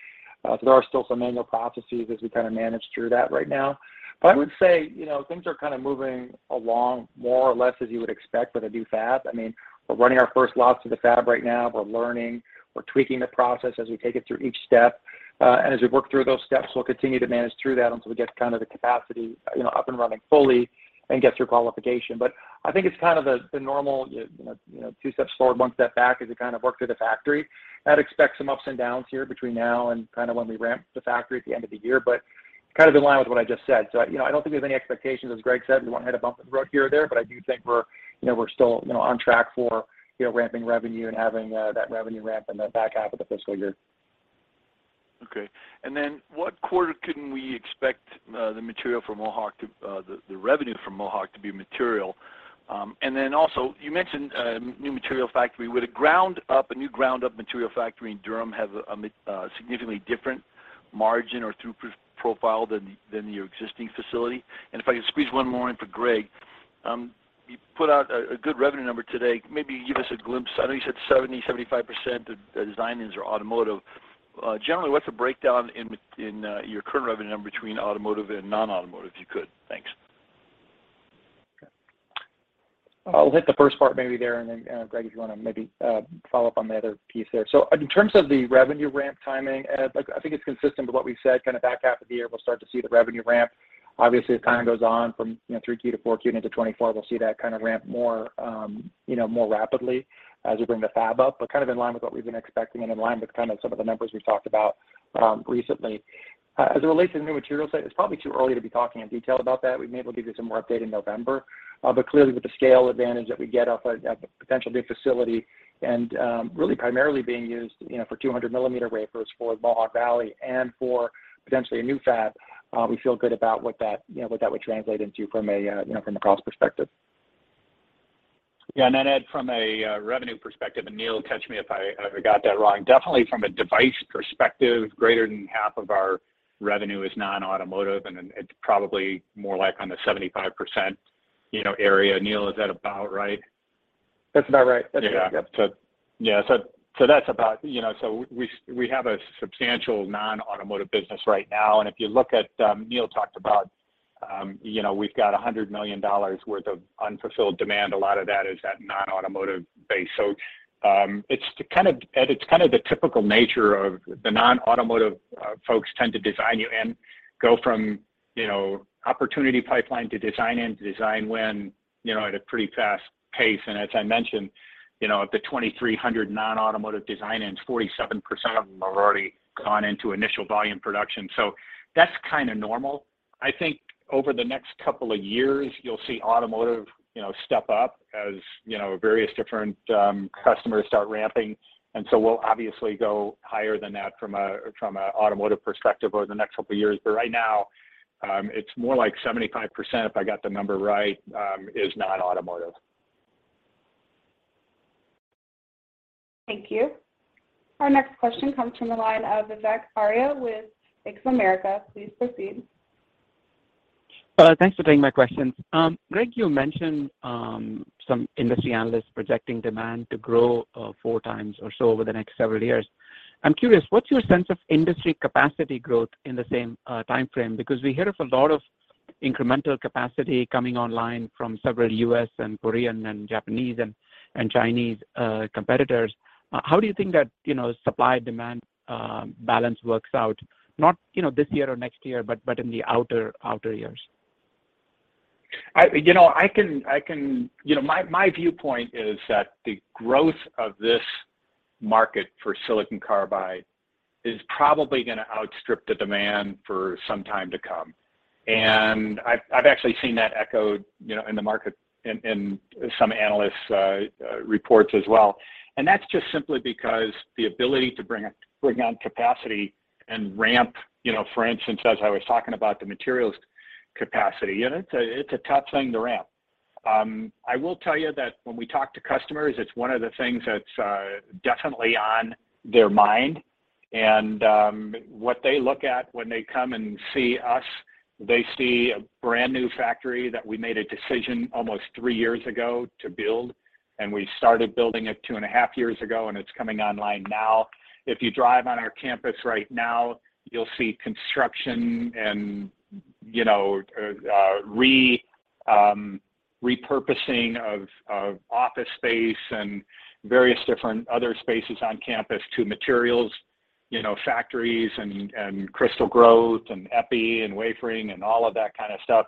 There are still some manual processes as we kind of manage through that right now. I would say things are kind of moving along more or less as you would expect with a new fab. I mean, we're running our first lots to the fab right now. We're learning. We're tweaking the process as we take it through each step. As we work through those steps, we'll continue to manage through that until we get kind of the capacity up and running fully and get through qualification. I think it's kind of the normal two steps forward, one step back as we kind of work through the factory. I'd expect some ups and downs here between now and kind of when we ramp the factory at the end of the year, but kind of in line with what I just said. I don't think we have any expectations. As Gregg said, we won't hit a bump in the road here or there, but I do think we're still on track for ramping revenue and having that revenue ramp in the back half of the fiscal year.
Okay. What quarter can we expect the material from Mohawk to the revenue from Mohawk to be material? You mentioned a new material factory. Would a new ground-up material factory in Durham have a significantly different margin or throughput profile than your existing facility? If I could squeeze one more in for Gregg, you put out a good revenue number today. Maybe give us a glimpse. I know you said 70%-75% of design-ins are automotive. Generally, what's the breakdown in your current revenue number between automotive and non-automotive, if you could? Thanks.
I'll hit the first part maybe there, and then Gregg, if you want to maybe follow up on the other piece there. In terms of the revenue ramp timing, I think it's consistent with what we said. Kind of back half of the year, we'll start to see the revenue ramp. Obviously, as time goes on from 3Q to 4Q and into 2024, we'll see that kind of ramp more rapidly as we bring the fab up, but kind of in line with what we've been expecting and in line with kind of some of the numbers we've talked about recently. As it relates to the new material site, it's probably too early to be talking in detail about that. We may be able to give you some more update in November. Clearly, with the scale advantage that we get off a potential new facility and really primarily being used for 200mm wafers for Mohawk Valley and for potentially a new fab, we feel good about what that would translate into from a cost perspective.
Yeah. Ed, from a revenue perspective, and Neill, catch me if I got that wrong. Definitely from a device perspective, greater than half of our revenue is non-automotive, and it's probably more like on the 75% area. Neill, is that about right?
That's about right. That's right. Yeah.
Yeah. That's about so we have a substantial non-automotive business right now. If you look at Neill talked about, we've got $100 million worth of unfulfilled demand. A lot of that is that non-automotive base. It's kind of Ed, it's kind of the typical nature of the non-automotive folks tend to design-in, go from opportunity pipeline to design-in to design-win at a pretty fast pace. As I mentioned, of the 2,300 non-automotive design-ins, 47% of them have already gone into initial volume production. That's kind of normal. I think over the next couple of years, you'll see automotive step up as various different customers start ramping. We'll obviously go higher than that from an automotive perspective over the next couple of years. Right now, it's more like 75%, if I got the number right, is non-automotive.
Thank you. Our next question comes from the line of Vivek Arya with Bank of America. Please proceed.
Thanks for taking my questions. Gregg, you mentioned some industry analysts projecting demand to grow four times or so over the next several years. I'm curious, what's your sense of industry capacity growth in the same timeframe? Because we hear of a lot of incremental capacity coming online from several U.S. and Korean and Japanese and Chinese competitors. How do you think that supply-demand balance works out, not this year or next year, but in the outer years?
In my viewpoint is that the growth of this market for silicon carbide is probably going to outstrip the demand for some time to come. I've actually seen that echoed in the market in some analysts' reports as well. That's just simply because the ability to bring on capacity and ramp, for instance, as I was talking about, the materials capacity, it's a tough thing to ramp. I will tell you that when we talk to customers, it's one of the things that's definitely on their mind. What they look at when they come and see us, they see a brand new factory that we made a decision almost three years ago to build, and we started building it two and a half years ago, and it's coming online now. If you drive on our campus right now, you'll see construction and repurposing of office space and various different other spaces on campus to materials, factories, and crystal growth and EPI and wafering and all of that kind of stuff.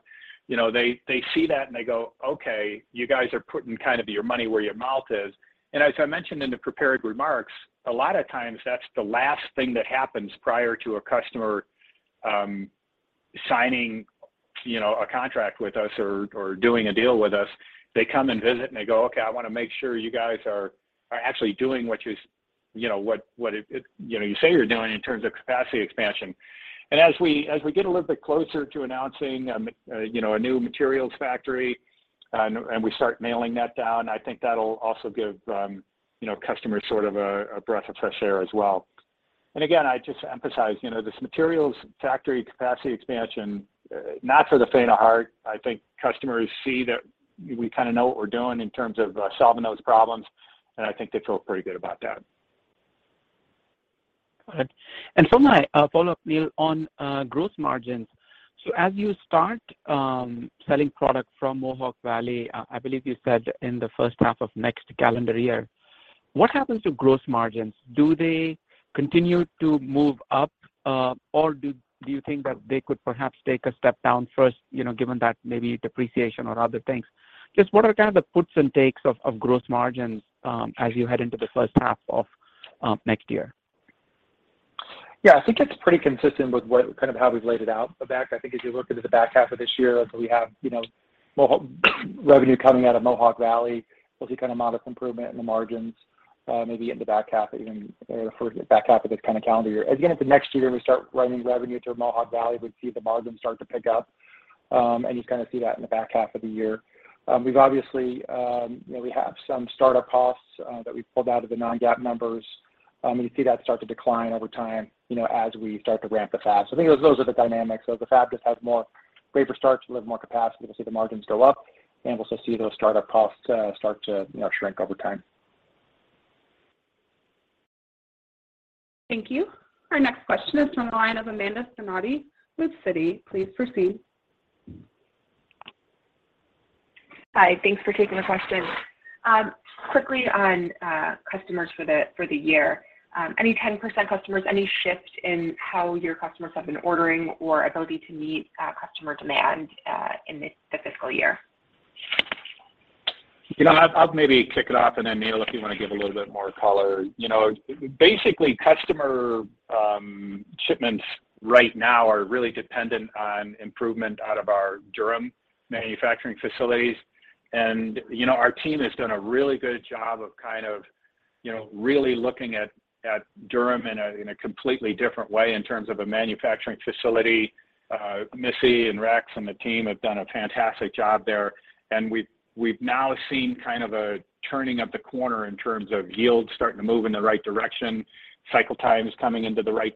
They see that, and they go, "Okay. You guys are putting kind of your money where your mouth is." As I mentioned in the prepared remarks, a lot of times, that's the last thing that happens prior to a customer signing a contract with us or doing a deal with us. They come and visit, and they go, "Okay. I want to make sure you guys are actually doing what you say you're doing in terms of capacity expansion." As we get a little bit closer to announcing a new materials factory and we start nailing that down, I think that'll also give customers sort of a breath of fresh air as well. Again, I just emphasize this materials factory capacity expansion, not for the faint of heart. I think customers see that we kind of know what we're doing in terms of solving those problems, and I think they feel pretty good about that.
Got it. From my follow-up, Neill, on gross margins, so as you start selling product from Mohawk Valley, I believe you said in the first half of next calendar year, what happens to gross margins? Do they continue to move up, or do you think that they could perhaps take a step down first given that maybe depreciation or other things? Just what are kind of the puts and takes of gross margins as you head into the first half of next year?
Yeah. I think it's pretty consistent with kind of how we've laid it out, Vivek. I think as you look into the back half of this year, we have revenue coming out of Mohawk Valley. We'll see kind of modest improvement in the margins maybe in the back half or the back half of this kind of calendar year. Again, into next year, when we start running revenue through Mohawk Valley, we'd see the margins start to pick up, and you kind of see that in the back half of the year. We've obviously have some startup costs that we pulled out of the non-GAAP numbers. You see that start to decline over time as we start to ramp the fab. I think those are the dynamics. If the fab just has more wafer starts to utilize more capacity, we'll see the margins go up, and we'll also see those startup costs start to shrink over time.
Thank you. Our next question is from the line of Amanda Scarnati with Citi. Please proceed.
Hi. Thanks for taking the question. Quickly on customers for the year, any 10% customers, any shift in how your customers have been ordering or ability to meet customer demand in the fiscal year?
I'll maybe kick it off, and then Neill, if you want to give a little bit more color. Basically, customer shipments right now are really dependent on improvement out of our Durham manufacturing facilities. Our team has done a really good job of kind of really looking at Durham in a completely different way in terms of a manufacturing facility. Missy and Rex and the team have done a fantastic job there. We've now seen kind of a turning of the corner in terms of yields starting to move in the right direction, cycle times coming into the right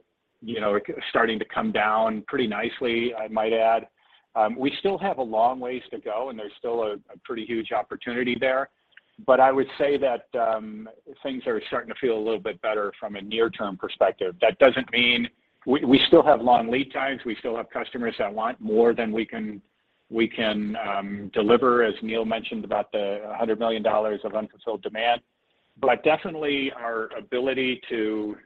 starting to come down pretty nicely, I might add. We still have a long ways to go, and there's still a pretty huge opportunity there. I would say that things are starting to feel a little bit better from a near-term perspective. That doesn't mean we still have long lead times. We still have customers that want more than we can deliver, as Neill mentioned about the $100 million of unfulfilled demand. Definitely, our ability to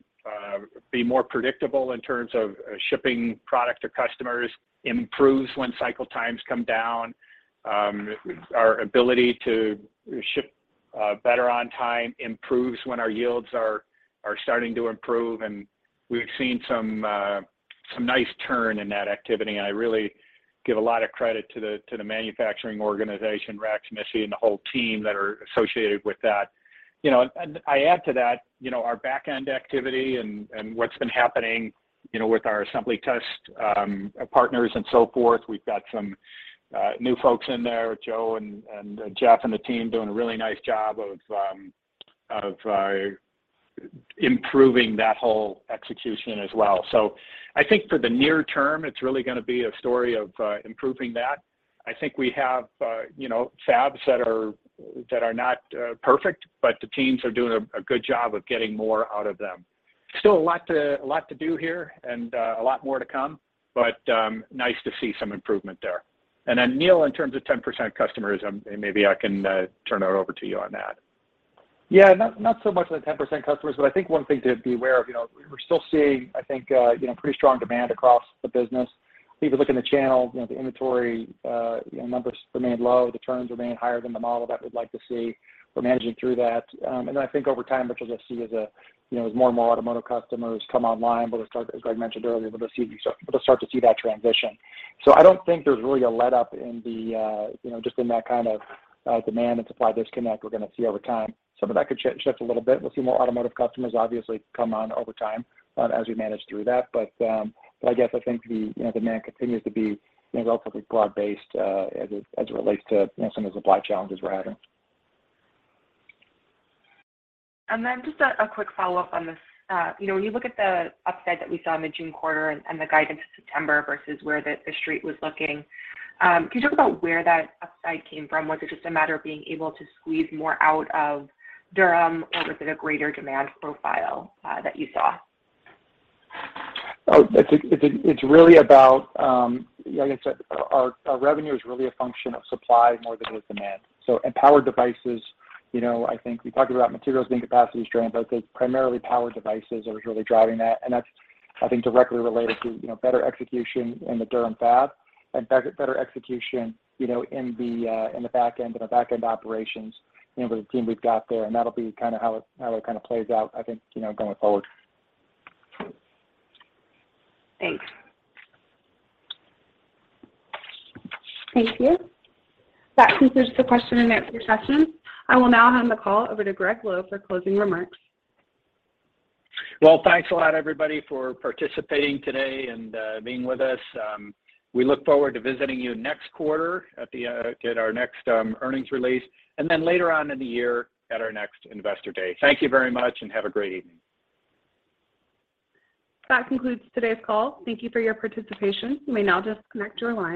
be more predictable in terms of shipping product to customers improves when cycle times come down. Our ability to ship better on time improves when our yields are starting to improve. We've seen some nice turn in that activity. I really give a lot of credit to the manufacturing organization, Rex, Missy, and the whole team that are associated with that. I add to that our back-end activity and what's been happening with our assembly test partners and so forth. We've got some new folks in there, Joe and Jeff and the team, doing a really nice job of improving that whole execution as well. I think for the near term, it's really going to be a story of improving that. I think we have fabs that are not perfect, but the teams are doing a good job of getting more out of them. Still a lot to do here and a lot more to come, but nice to see some improvement there. Then Neill, in terms of 10% customers, maybe I can turn that over to you on that.
Yeah. Not so much the 10% customers, but I think one thing to be aware of, we're still seeing, I think, pretty strong demand across the business. If you look in the channel, the inventory numbers remain low. The turns remain higher than the model that we'd like to see. We're managing through that. Then I think over time, what you'll just see is more and more automotive customers come online. We'll start, as Gregg mentioned earlier, to see that transition. I don't think there's really a letup just in that kind of demand and supply disconnect we're going to see over time. Some of that could shift a little bit. We'll see more automotive customers, obviously, come on over time as we manage through that. I guess I think the demand continues to be relatively broad-based as it relates to some of the supply challenges we're having.
Just a quick follow-up on this. When you look at the upside that we saw in the June quarter and the guidance in September versus where the street was looking, can you talk about where that upside came from? Was it just a matter of being able to squeeze more out of Durham, or was it a greater demand profile that you saw?
Oh, it's really about like I said, our revenue is really a function of supply more than it is demand. In power devices, I think we talked about materials being capacity strain, but I think primarily power devices are really driving that. That's, I think, directly related to better execution in the Durham fab and better execution in the back end and our back-end operations with the team we've got there. That'll be kind of how it kind of plays out, I think, going forward.
Thanks.
Thank you. That concludes the question and answer session. I will now hand the call over to Gregg Lowe for closing remarks.
Well, thanks a lot, everybody, for participating today and being with us. We look forward to visiting you next quarter at our next earnings release and then later on in the year at our next Investor Day. Thank you very much, and have a great evening.
That concludes today's call. Thank you for your participation. You may now disconnect your line.